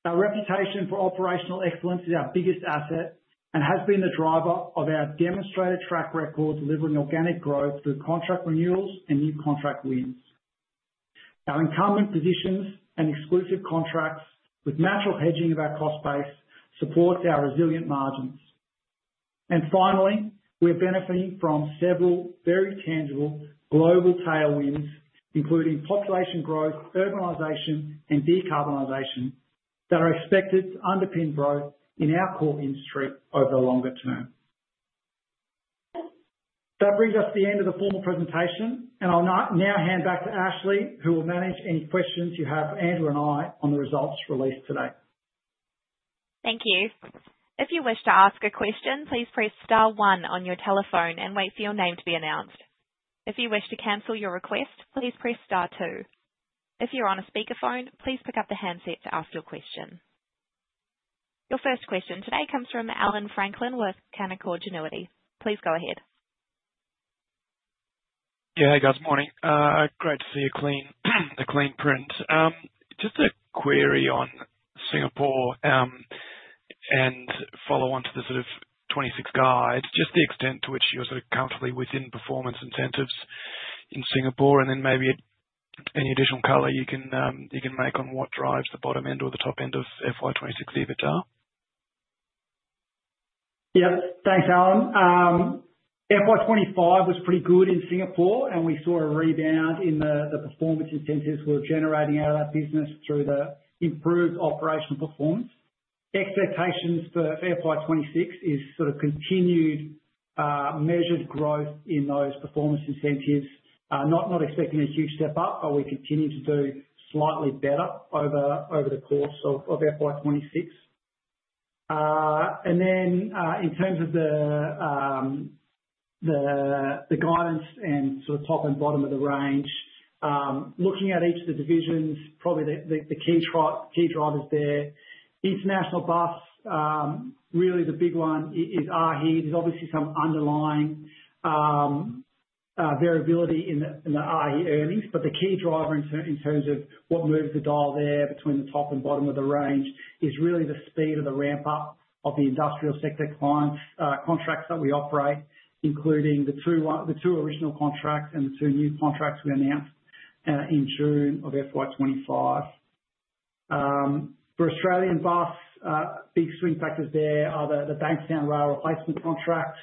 Speaker 2: Our reputation for operational excellence is our biggest asset and has been the driver of our demonstrated track record delivering organic growth through contract renewals and new contract wins. Our incumbent positions and exclusive contracts with natural hedging of our cost base support our resilient margins, and finally, we are benefiting from several very tangible global tailwinds, including population growth, urbanization, and decarbonization that are expected to underpin growth in our core industry over the longer term. That brings us to the end of the formal presentation, and I'll now hand back to Ashley, who will manage any questions you have for Andrew and I on the results released today.
Speaker 1: Thank you. If you wish to ask a question, please press star one on your telephone and wait for your name to be announced. If you wish to cancel your request, please press star two. If you're on a speakerphone, please pick up the handset to ask your question. Your first question today comes from Allan Franklin with Canaccord Genuity. Please go ahead.
Speaker 4: Yeah, hey, guys. Morning. Great to see a clean print. Just a query on Singapore and a follow-on to the FY26 guidance, just the extent to which you're sort of comfortably within performance incentives in Singapore, and then maybe any additional color you can make on what drives the bottom end or the top end of FY26 EBITDA.
Speaker 2: Yep. Thanks, c. FY25 was pretty good in Singapore, and we saw a rebound in the performance incentives we're generating out of that business through the improved operational performance. Expectations for FY26 is sort of continued measured growth in those performance incentives, not expecting a huge step up, but we continue to do slightly better over the course of FY26. And then in terms of the guidance and sort of top and bottom of the range, looking at each of the divisions, probably the key drivers there, International Bus, really the big one is AAAAHI. There's obviously some underlying variability in the AAAAAAHI earnings, but the key driver in terms of what moves the dial there between the top and bottom of the range is really the speed of the ramp-up of the industrial sector client contracts that we operate, including the two original contracts and the two new contracts we announced in June of FY25. For Australian bus, big swing factors there are the Bankstown Rail Replacement contract.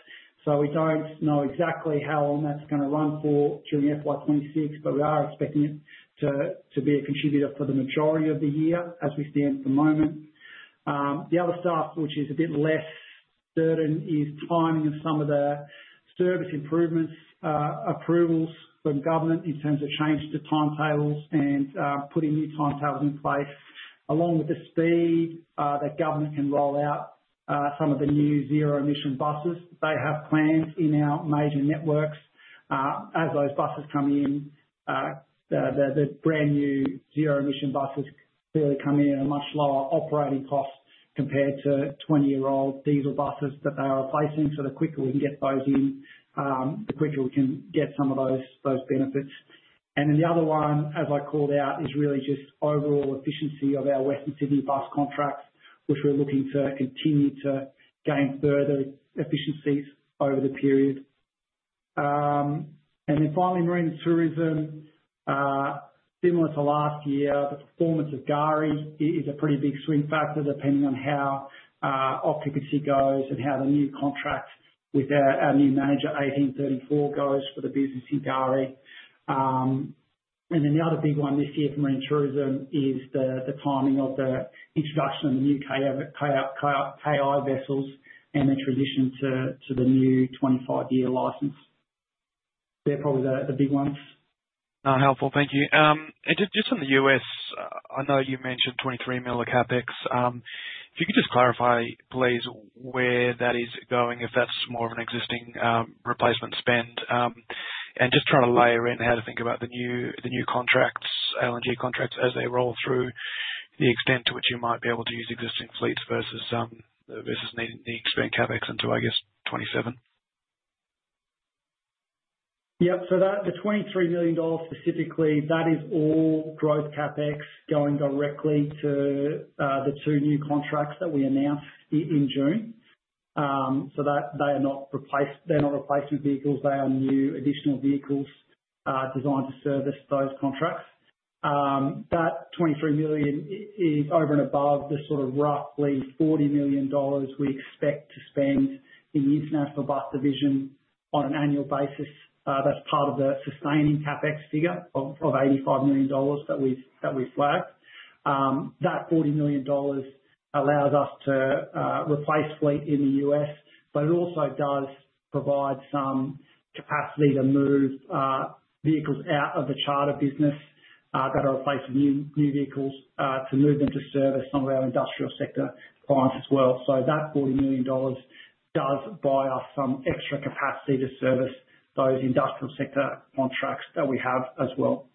Speaker 2: So we don't know exactly how long that's going to run for during FY26, but we are expecting it to be a contributor for the majority of the year as we stand at the moment. The other stuff, which is a bit less certain, is timing of some of the service improvements, approvals from government in terms of changes to timetables and putting new timetables in place, along with the speed that government can roll out some of the new zero-emission buses they have planned in our major networks. As those buses come in, the brand new zero-emission buses clearly come in at a much lower operating cost compared to 20-year-old diesel buses that they are replacing. So the quicker we can get those in, the quicker we can get some of those benefits. And then the other one, as I called out, is really just overall efficiency of our Western Sydney bus contracts, which we're looking to continue to gain further efficiencies over the period. And then finally, Marine & Tourism, similar to last year, the performance of K'gari is a pretty big swing factor depending on how occupancy goes and how the new contract with our new manager, 1834, goes for the business in K'gari. And then the other big one this year for Marine & Tourism is the timing of the introduction of the new KI vessels and their transition to the new 25-year license. They're probably the big ones.
Speaker 4: Helpful. Thank you. And just in the US, I know you mentioned twenty-three million CapEx. If you could just clarify, please, where that is going, if that's more of an existing replacement spend, and just trying to layer in how to think about the new contracts, LNG contracts, as they roll through, the extent to which you might be able to use existing fleets versus needing to expand CapEx into, I guess, 27.
Speaker 2: Yep. So the 23 million dollars specifically, that is all growth CapEx going directly to the two new contracts that we announced in June. So they are not replacement vehicles. They are new additional vehicles designed to service those contracts. That 23 million is over and above the sort of roughly 40 million dollars we expect to spend in the International Bus division on an annual basis. That's part of the sustaining CapEx figure of 85 million dollars that we flagged. That 40 million dollars allows us to replace fleet in the U.S., but it also does provide some capacity to move vehicles out of the charter business that are replacing new vehicles to move them to service some of our industrial sector clients as well. So that 40 million dollars does buy us some extra capacity to service those industrial sector contracts that we have as well.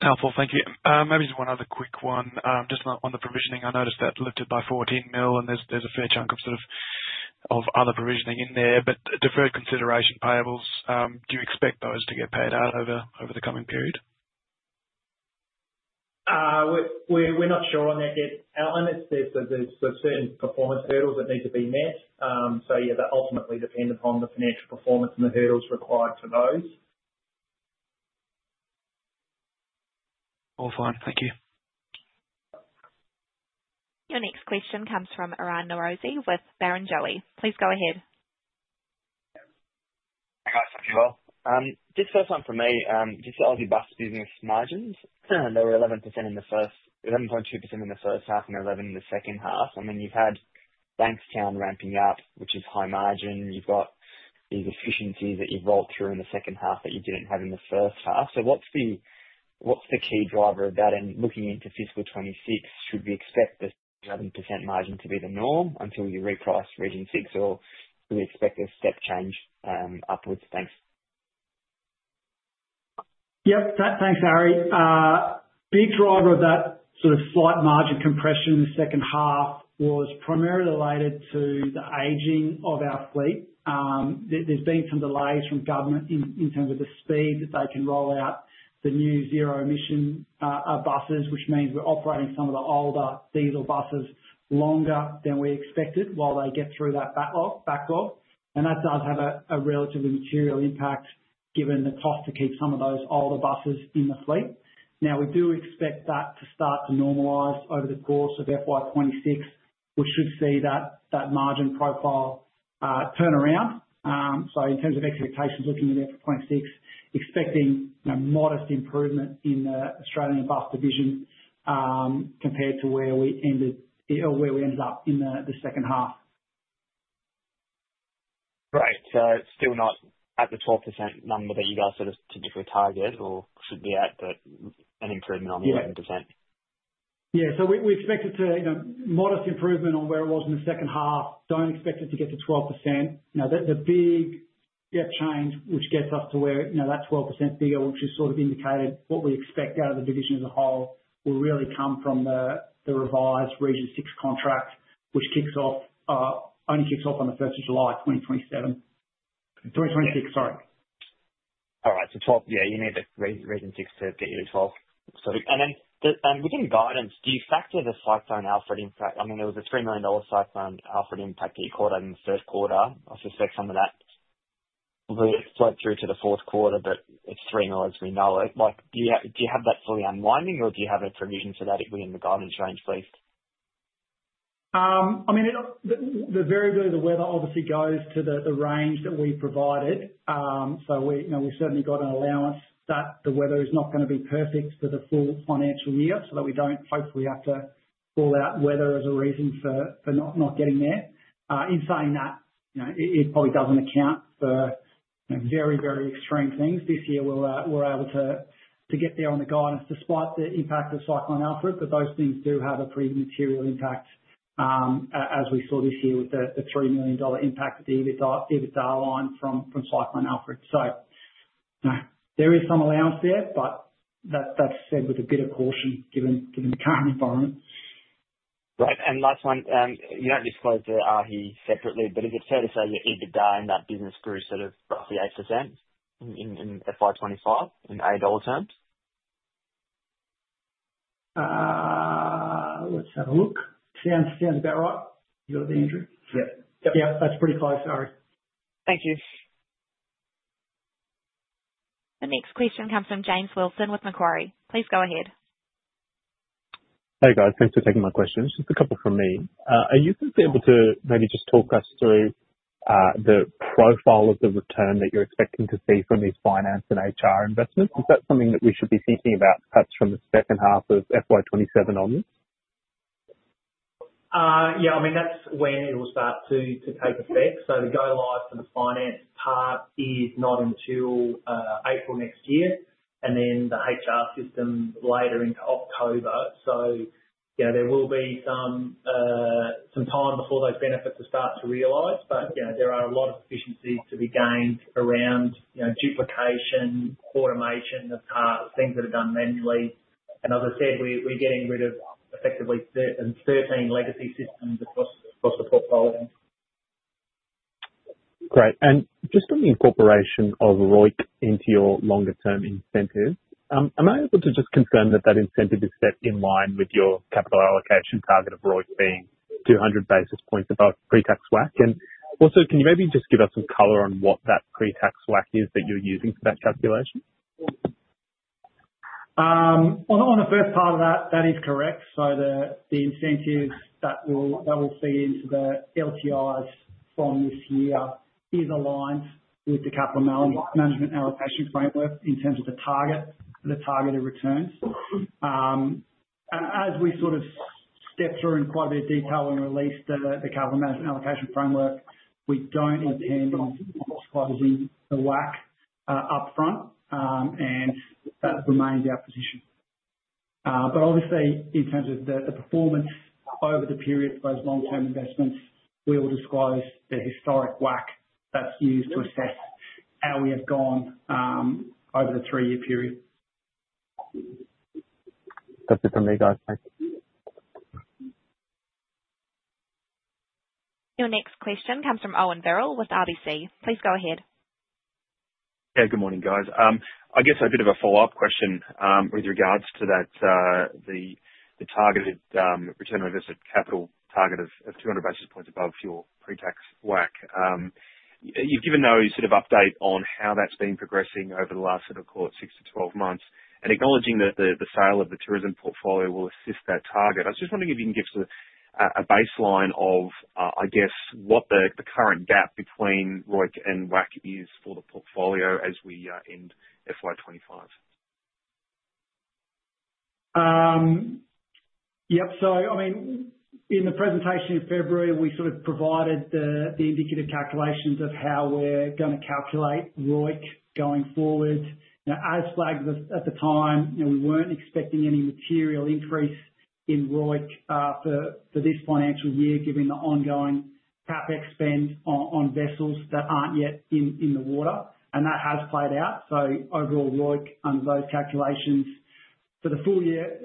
Speaker 4: Helpful. Thank you. Maybe just one other quick one. Just on the provisioning, I noticed that lifted by 14 million, and there's a fair chunk of sort of other provisioning in there. But deferred consideration payables, do you expect those to get paid out over the coming period?
Speaker 2: We're not sure on that yet, Allan. It's the certain performance hurdles that need to be met. So yeah, that ultimately depends upon the financial performance and the hurdles required for those.
Speaker 4: All fine. Thank you.
Speaker 1: Your next question comes from Aryan Norozi with Barrenjoey. Please go ahead.
Speaker 5: Hey, guys. Thank you all. Just first one from me. Just the Aussie bus business margins. They were 11.2% in the first half and 11% in the second half. And then you've had Bankstown ramping up, which is high margin. You've got these efficiencies that you've rolled through in the second half that you didn't have in the first half. So what's the key driver of that? And looking into fiscal 2026, should we expect the 11% margin to be the norm until you reprice Region 6? Or do we expect a step change upwards?
Speaker 2: Thanks. Yep. Thanks, Harry. Big driver of that sort of slight margin compression in the second half was primarily related to the aging of our fleet. There's been some delays from government in terms of the speed that they can roll out the new zero-emission buses, which means we're operating some of the older diesel buses longer than we expected while they get through that backlog, and that does have a relatively material impact given the cost to keep some of those older buses in the fleet. Now, we do expect that to start to normalize over the course of FY26, which should see that margin profile turn around. So in terms of expectations, looking at FY26, expecting modest improvement in the Australian bus division compared to where we ended or where we ended up in the second half. Right. So it's still not at the 12% number that you guys sort of typically target or should be at, but an improvement on the 11%. Yeah. So we expect it to modest improvement on where it was in the second half. Don't expect it to get to 12%. The big change which gets us to where that 12% figure, which is sort of indicated what we expect out of the division as a whole, will really come from the revised Region 6 contract, which only kicks off on the 1st of July 2027. 2026, sorry.
Speaker 5: All right. So, 12. Yeah, you need the Region 6 to get you to 12. And then within guidance, do you factor the slight Cyclone Alfred impact? I mean, there was an 3 million dollar Alfred impact that you called out in the third quarter. I suspect some of that will flow through to the fourth quarter, but it's 3 million, as we know it. Do you have that fully unwinding, or do you have a provision for that within the guidance range, please?
Speaker 2: I mean, the variability of the weather obviously goes to the range that we provided. So we've certainly got an allowance that the weather is not going to be perfect for the full financial year so that we don't hopefully have to call out weather as a reason for not getting there. In saying that, it probably doesn't account for very, very extreme things. This year, we're able to get there on the guidance despite the impact of Cyclone Alfred, but those things do have a pretty material impact as we saw this year with the 3 million dollar impact at the EBITDA line from Cyclone Alfred. So there is some allowance there, but that's said with a bit of caution given the current environment.
Speaker 5: Right. And last one. You don't disclose the AAAAHI separately, but is it fair to say your EBITDA in that business grew sort of roughly 8% in FY25 in A-dollar terms?
Speaker 2: Let's have a look. Sounds about right. You got it, Andrew?
Speaker 3: Yep. Yep. That's pretty close, Harry. Thank you.
Speaker 1: The next question comes from James Wilson with Macquarie. Please go ahead.
Speaker 6: Hey, guys. Thanks for taking my questions. Just a couple from me. Are you able to maybe just talk us through the profile of the return that you're expecting to see from these finance and HR investments? Is that something that we should be thinking about perhaps from the second half of FY27 onwards?
Speaker 2: Yeah. I mean, that's when it will start to take effect. So the go-live for the finance part is not until April next year and then the HR system later into October. So there will be some time before those benefits start to realize, but there are a lot of efficiencies to be gained around duplication, automation of tasks, things that are done manually. And as I said, we're getting rid of effectively 13 legacy systems across the portfolio.
Speaker 6: Great. And just from the incorporation of ROIC into your longer-term incentive, am I able to just confirm that that incentive is set in line with your capital allocation target of ROIC being 200 basis points above pre-tax WACC? And also, can you maybe just give us some color on what that pre-tax WACC is that you're using for that calculation?
Speaker 2: On the first part of that, that is correct. So the incentives that will feed into the LTIs from this year is aligned with the capital management allocation framework in terms of the targeted returns. As we sort of step through in quite a bit of detail when we release the capital management allocation framework, we don't intend to disclose the WACC upfront, and that remains our position. But obviously, in terms of the performance over the period for those long-term investments, we will disclose the historic WACC that's used to assess how we have gone over the three-year period.
Speaker 6: That's it from me, guys. Thanks.
Speaker 1: Your next question comes from Owen Burrell with RBC. Please go ahead.
Speaker 7: Yeah. Good morning, guys. I guess a bit of a follow-up question with regards to the targeted return on invested capital target of 200 basis points above your pre-tax WACC. You've given those sort of updates on how that's been progressing over the last, I'd call it, six to 12 months, and acknowledging that the sale of the tourism portfolio will assist that target, I was just wondering if you can give us a baseline of, I guess, what the current gap between ROIC and WACC is for the portfolio as we end FY25.
Speaker 2: Yep. So I mean, in the presentation in February, we sort of provided the indicative calculations of how we're going to calculate ROIC going forward. As flagged at the time, we weren't expecting any material increase in ROIC for this financial year given the ongoing CapEx spend on vessels that aren't yet in the water. And that has played out. So overall ROIC under those calculations for the full year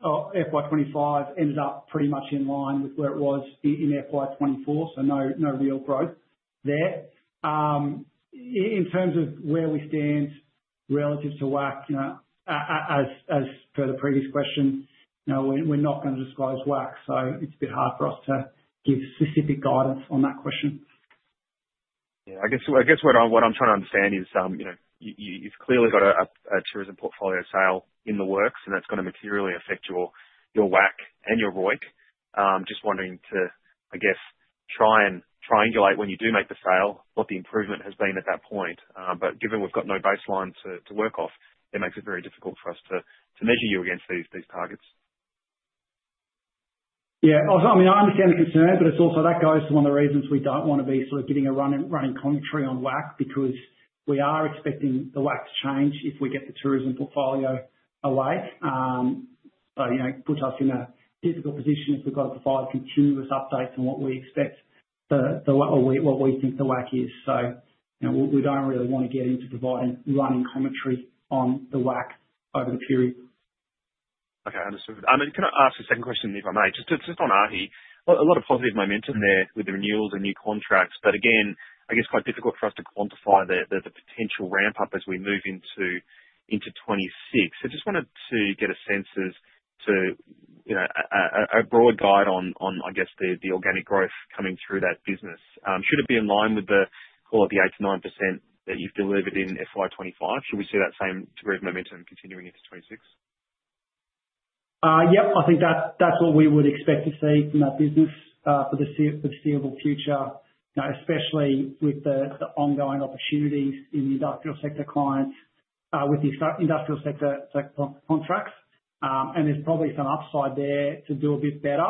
Speaker 2: of FY25 ended up pretty much in line with where it was in FY24. So no real growth there. In terms of where we stand relative to WACC, as per the previous question, we're not going to disclose WACC, so it's a bit hard for us to give specific guidance on that question. Yeah.
Speaker 7: I guess what I'm trying to understand is you've clearly got a tourism portfolio sale in the works, and that's going to materially affect your WACC and your ROIC. Just wanting to, I guess, try and triangulate when you do make the sale, what the improvement has been at that point. But given we've got no baseline to work off, it makes it very difficult for us to measure you against these targets.
Speaker 2: Yeah. I mean, I understand the concern, but it's also that goes to one of the reasons we don't want to be sort of getting a running commentary on WACC because we are expecting the WACC to change if we get the tourism portfolio away. So it puts us in a difficult position if we've got to provide continuous updates on what we expect or what we think the WACC is. So we don't really want to get into providing running commentary on the WACC over the period.
Speaker 7: Okay. Understood. And can I ask a second question, if I may? Just on AAAAHI, a lot of positive momentum there with the renewals and new contracts, but again, I guess quite difficult for us to quantify the potential ramp-up as we move into 2026. So just wanted to get a sense as to a broad guide on, I guess, the organic growth coming through that business. Should it be in line with the 8%-9% that you've delivered in FY25? Should we see that same degree of momentum continuing into 2026?
Speaker 2: Yep. I think that's what we would expect to see from that business for the foreseeable future, especially with the ongoing opportunities in the industrial sector clients with the industrial sector contracts. There's probably some upside there to do a bit better.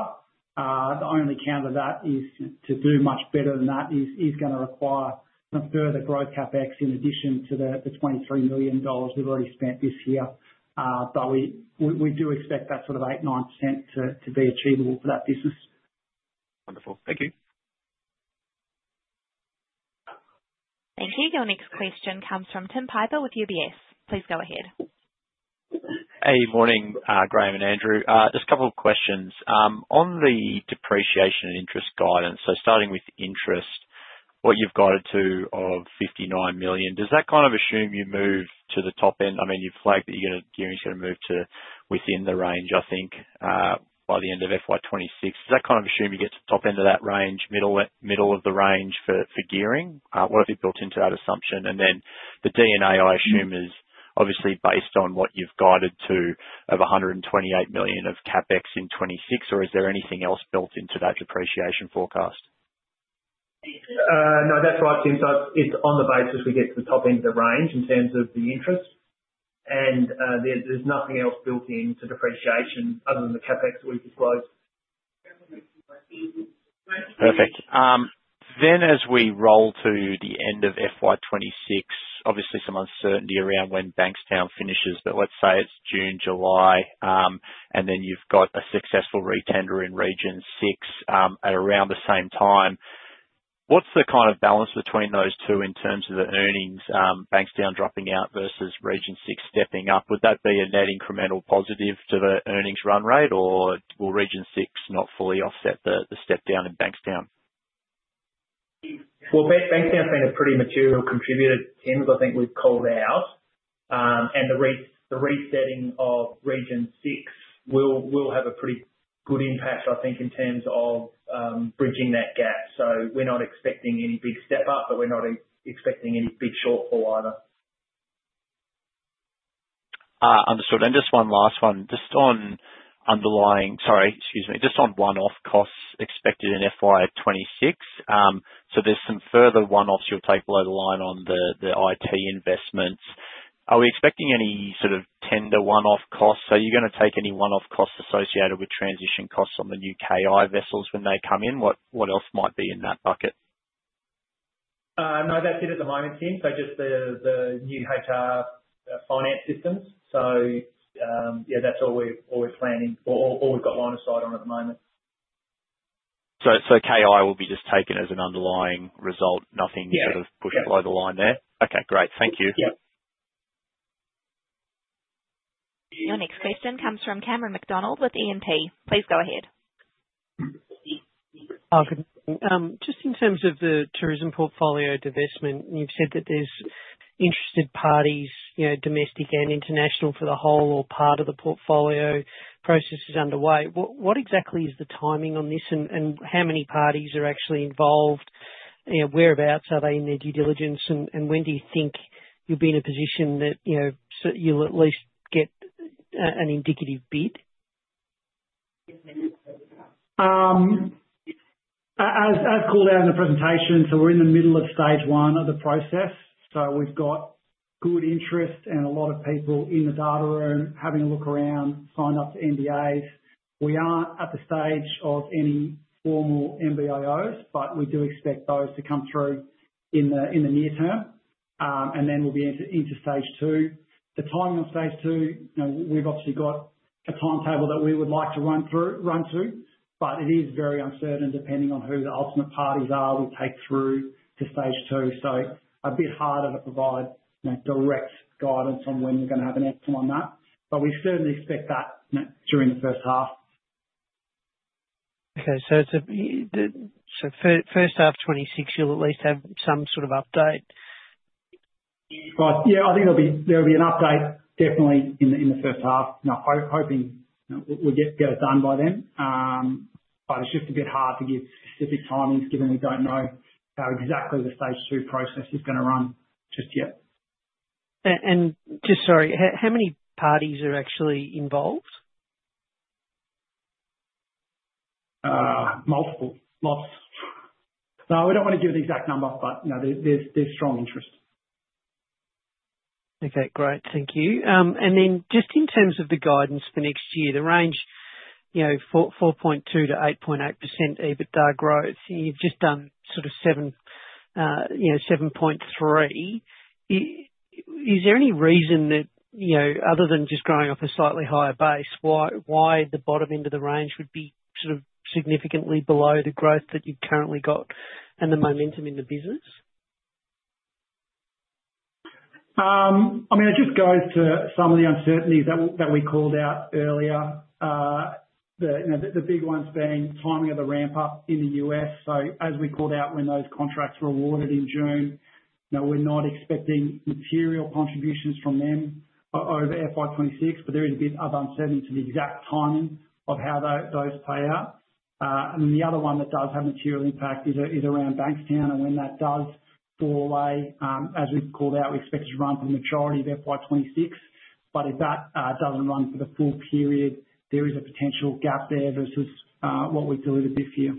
Speaker 2: The only counter that is to do much better than that is going to require some further growth CapEx in addition to the 23 million dollars we've already spent this year. But we do expect that sort of 8%-9% to be achievable for that business.
Speaker 7: Wonderful. Thank you.
Speaker 1: Thank you. Your next question comes from Tim Piper with UBS. Please go ahead.
Speaker 8: Hey. Morning, Graeme and Andrew. Just a couple of questions. On the depreciation and interest guidance, so starting with interest, what you've guided to of 59 million, does that kind of assume you move to the top end? I mean, you've flagged that you're going to gearing's going to move to within the range, I think, by the end of FY26. Does that kind of assume you get to the top end of that range, middle of the range for gearing? What have you built into that assumption? And then the D&A, I assume, is obviously based on what you've guided to of 128 million of CapEx in 2026, or is there anything else built into that depreciation forecast?
Speaker 2: No, that's right, Tim. So it's on the basis we get to the top end of the range in terms of the interest. And there's nothing else built into depreciation other than the CapEx that we've disclosed.
Speaker 8: Perfect. Then as we roll to the end of FY 2026, obviously some uncertainty around when Bankstown finishes, but let's say it's June, July, and then you've got a successful re-tender in Region 6 at around the same time. What's the kind of balance between those two in terms of the earnings, Bankstown dropping out versus Region 6 stepping up? Would that be a net incremental positive to the earnings run rate, or will Region 6 not fully offset the step down in Bankstown?
Speaker 2: Well, Bankstown's been a pretty material contributor to Transit I think we've called out. And the resetting of Region 6 will have a pretty good impact, I think, in terms of bridging that gap. So we're not expecting any big step up, but we're not expecting any big shortfall either.
Speaker 8: Understood. And just one last one. Just on underlying, sorry, excuse me, just on one-off costs expected in FY26. So there's some further one-offs you'll take below the line on the IT investments. Are we expecting any sort of tender one-off costs? Are you going to take any one-off costs associated with transition costs on the new KI vessels when they come in? What else might be in that bucket?
Speaker 2: No, that's it at the moment, Tim. So just the new HR finance systems. So yeah, that's all we're planning or all we've got line of sight on at the moment.
Speaker 8: So KI will be just taken as an underlying result, nothing sort of pushed below the line there? Okay. Great. Thank you. Yep.
Speaker 1: Your next question comes from Cameron McDonald with E&P. Please go ahead.
Speaker 9: Just in terms of the tourism portfolio divestment, you've said that there's interested parties, domestic and international, for the whole or part of the portfolio. Process is underway. What exactly is the timing on this, and how many parties are actually involved? Whereabouts are they in their due diligence, and when do you think you'll be in a position that you'll at least get an indicative bid? As called out in the presentation, so we're in the middle of stage one of the process, so we've got good interest and a lot of people in the data room having a look around, signed up to NDAs. We aren't at the stage of any formal NBIOs, but we do expect those to come through in the near term, and then we'll be into stage two. The timing of stage two, we've obviously got a timetable that we would like to run to, but it is very uncertain depending on who the ultimate parties are we take through to stage two, so a bit harder to provide direct guidance on when we're going to have an outcome on that. But we certainly expect that during the first half. Okay. So first half 2026, you'll at least have some sort of update?
Speaker 2: Yeah. I think there'll be an update definitely in the first half. Hoping we'll get it done by then. But it's just a bit hard to give specific timings given we don't know how exactly the stage two process is going to run just yet.
Speaker 9: And just sorry, how many parties are actually involved?
Speaker 2: Multiple. Lots. No, we don't want to give an exact number, but there's strong interest.
Speaker 9: Okay. Great. Thank you. And then just in terms of the guidance for next year, the range 4.2%-8.8% EBITDA growth, and you've just done sort of 7.3%. Is there any reason that other than just growing off a slightly higher base, why the bottom end of the range would be sort of significantly below the growth that you've currently got and the momentum in the business?
Speaker 2: I mean, it just goes to some of the uncertainties that we called out earlier. The big ones being timing of the ramp-up in the U.S., so as we called out when those contracts were awarded in June, we're not expecting material contributions from them over FY26, but there is a bit of uncertainty to the exact timing of how those play out, and then the other one that does have material impact is around Bankstown, and when that does fall away, as we've called out, we expect it to run for the majority of FY26. But if that doesn't run for the full period, there is a potential gap there versus what we've delivered this year.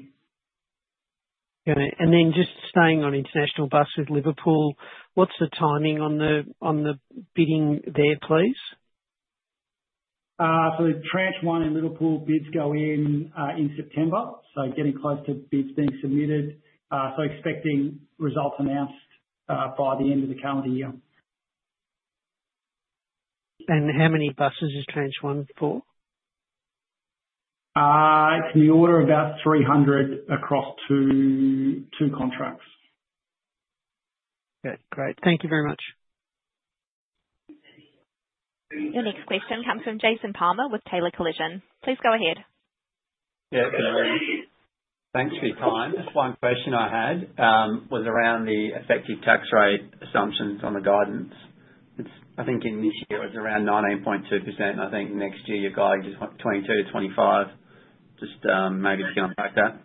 Speaker 9: Got it. And then just staying on International Bus with Liverpool, what's the timing on the bidding there, please?
Speaker 2: So the Tranche 1 in Liverpool bids go in in September. So getting close to bids being submitted. So expecting results announced by the end of the calendar year.
Speaker 9: And how many buses is Tranche 1 for?
Speaker 2: It's in the order of about 300 across two contracts.
Speaker 9: Okay. Great. Thank you very much.
Speaker 1: Your next question comes from Jason Palmer with Taylor Collison. Please go ahead.
Speaker 10: Yeah. Thanks for your time. Just one question I had was around the effective tax rate assumptions on the guidance. I think in this year it was around 19.2%, and I think next year you're guiding to 22%-25%. Just maybe you can unpack that.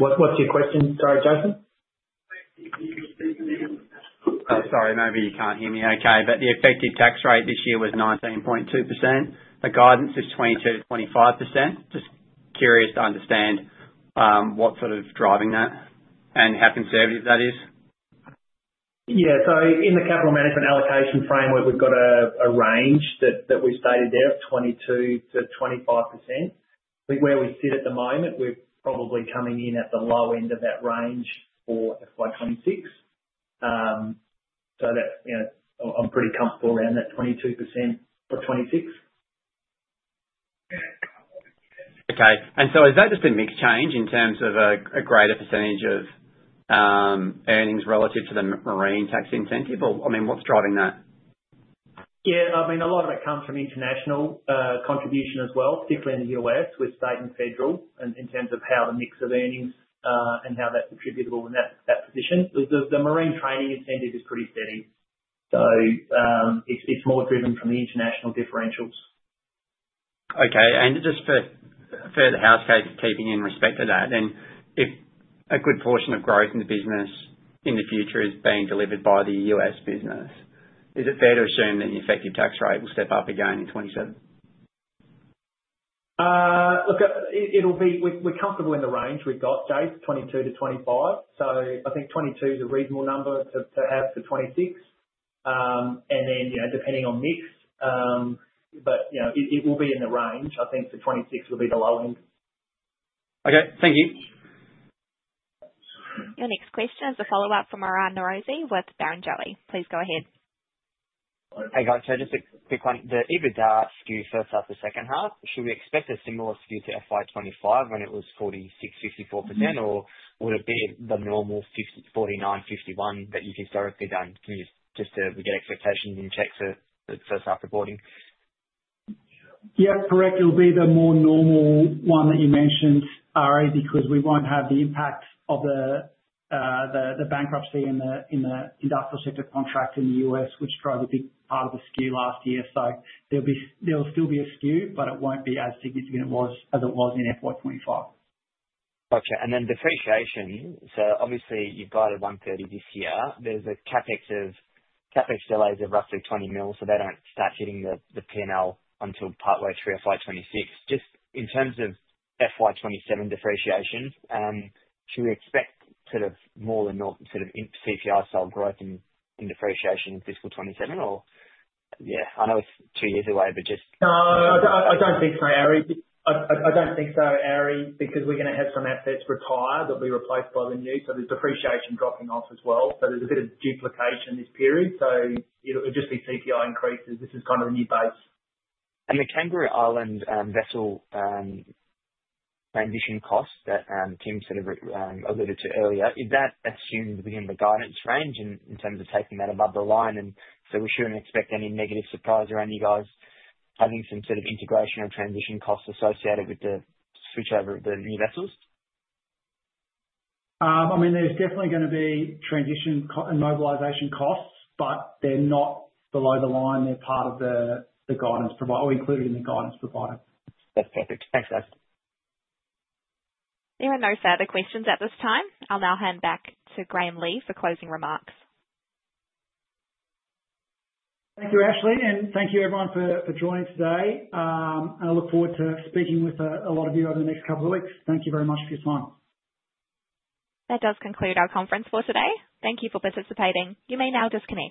Speaker 2: What's your question? Sorry, Jason.
Speaker 10: Sorry. Maybe you can't hear me. Okay, but the effective tax rate this year was 19.2%. The guidance is 22%-25%. Just curious to understand what sort of driving that and how conservative that is?
Speaker 2: Yeah. So in the capital management allocation framework, we've got a range that we've stated there of 22%-25%. I think where we sit at the moment, we're probably coming in at the low end of that range for FY 2026. so I'm pretty comfortable around that 22% for 2026.
Speaker 10: Okay. and so is that just a mixed change in terms of a greater percentage of earnings relative to the marine tax incentive? I mean, what's driving that?
Speaker 2: Yeah. I mean, a lot of it comes from international contribution as well, particularly in the US with state and federal in terms of how the mix of earnings and how that's attributable in that position. The marine and tourism incentive is pretty steady. So it's more driven from the international differentials.
Speaker 10: Okay. And just for the housekeeping in respect to that, then if a good portion of growth in the business in the future is being delivered by the US business, is it fair to assume that the effective tax rate will step up again in 2027?
Speaker 2: Look, we're comfortable in the range we've got today, 22% to 25%. So I think 22% is a reasonable number to have for 2026. And then depending on mix, but it will be in the range. I think for 2026 it will be the low end.
Speaker 10: Okay. Thank you.
Speaker 1: Your next question is a follow-up from Aryan Norozi with Barrenjoey. Please go ahead.
Speaker 5: Hey, guys. So just a quick one. The EBITDA skew first half to second half, should we expect a similar skew to FY25 when it was 46%-54%, or would it be the normal 49%-51% that you've historically done just to get expectations in check first half reporting?
Speaker 2: Yeah. Correct. It'll be the more normal one that you mentioned, Ari, because we won't have the impact of the bankruptcy in the industrial sector contract in the U.S., which drove a big part of the skew last year. So there'll be a skew, but it won't be as significant as it was in FY25.
Speaker 5: Gotcha. And then depreciation, so obviously you've guided 130 this year. There's a CapEx delay of roughly 20 million, so they don't start hitting the P&L until partway through FY26. Just in terms of FY27 depreciation, should we expect sort of more than sort of CPI style growth in depreciation in fiscal '27, or?
Speaker 2: Yeah. I know it's two years away, but just. No, I don't think so, Ari. I don't think so, Ari, because we're going to have some assets retire that'll be replaced by the new. So there's depreciation dropping off as well. So there's a bit of duplication this period. So it'll just be CPI increases. This is kind of the new base.
Speaker 5: And the Kangaroo Island vessel transition costs that Tim sort of alluded to earlier, is that assumed within the guidance range in terms of taking that above the line? And so we shouldn't expect any negative surprise around you guys having some sort of integration transition costs associated with the switchover of the new vessels?
Speaker 2: I mean, there's definitely going to be transition and mobilization costs, but they're not below the line. They're part of the guidance provider or included in the guidance provider.
Speaker 5: That's perfect. Thanks, guys.
Speaker 1: There are no further questions at this time. I'll now hand back to Graeme Legh for closing remarks.
Speaker 2: Thank you, Ashley. And thank you, everyone, for joining today. And I look forward to speaking with a lot of you over the next couple of weeks. Thank you very much for your time.
Speaker 1: That does conclude our conference for today. Thank you for participating. You may now disconnect.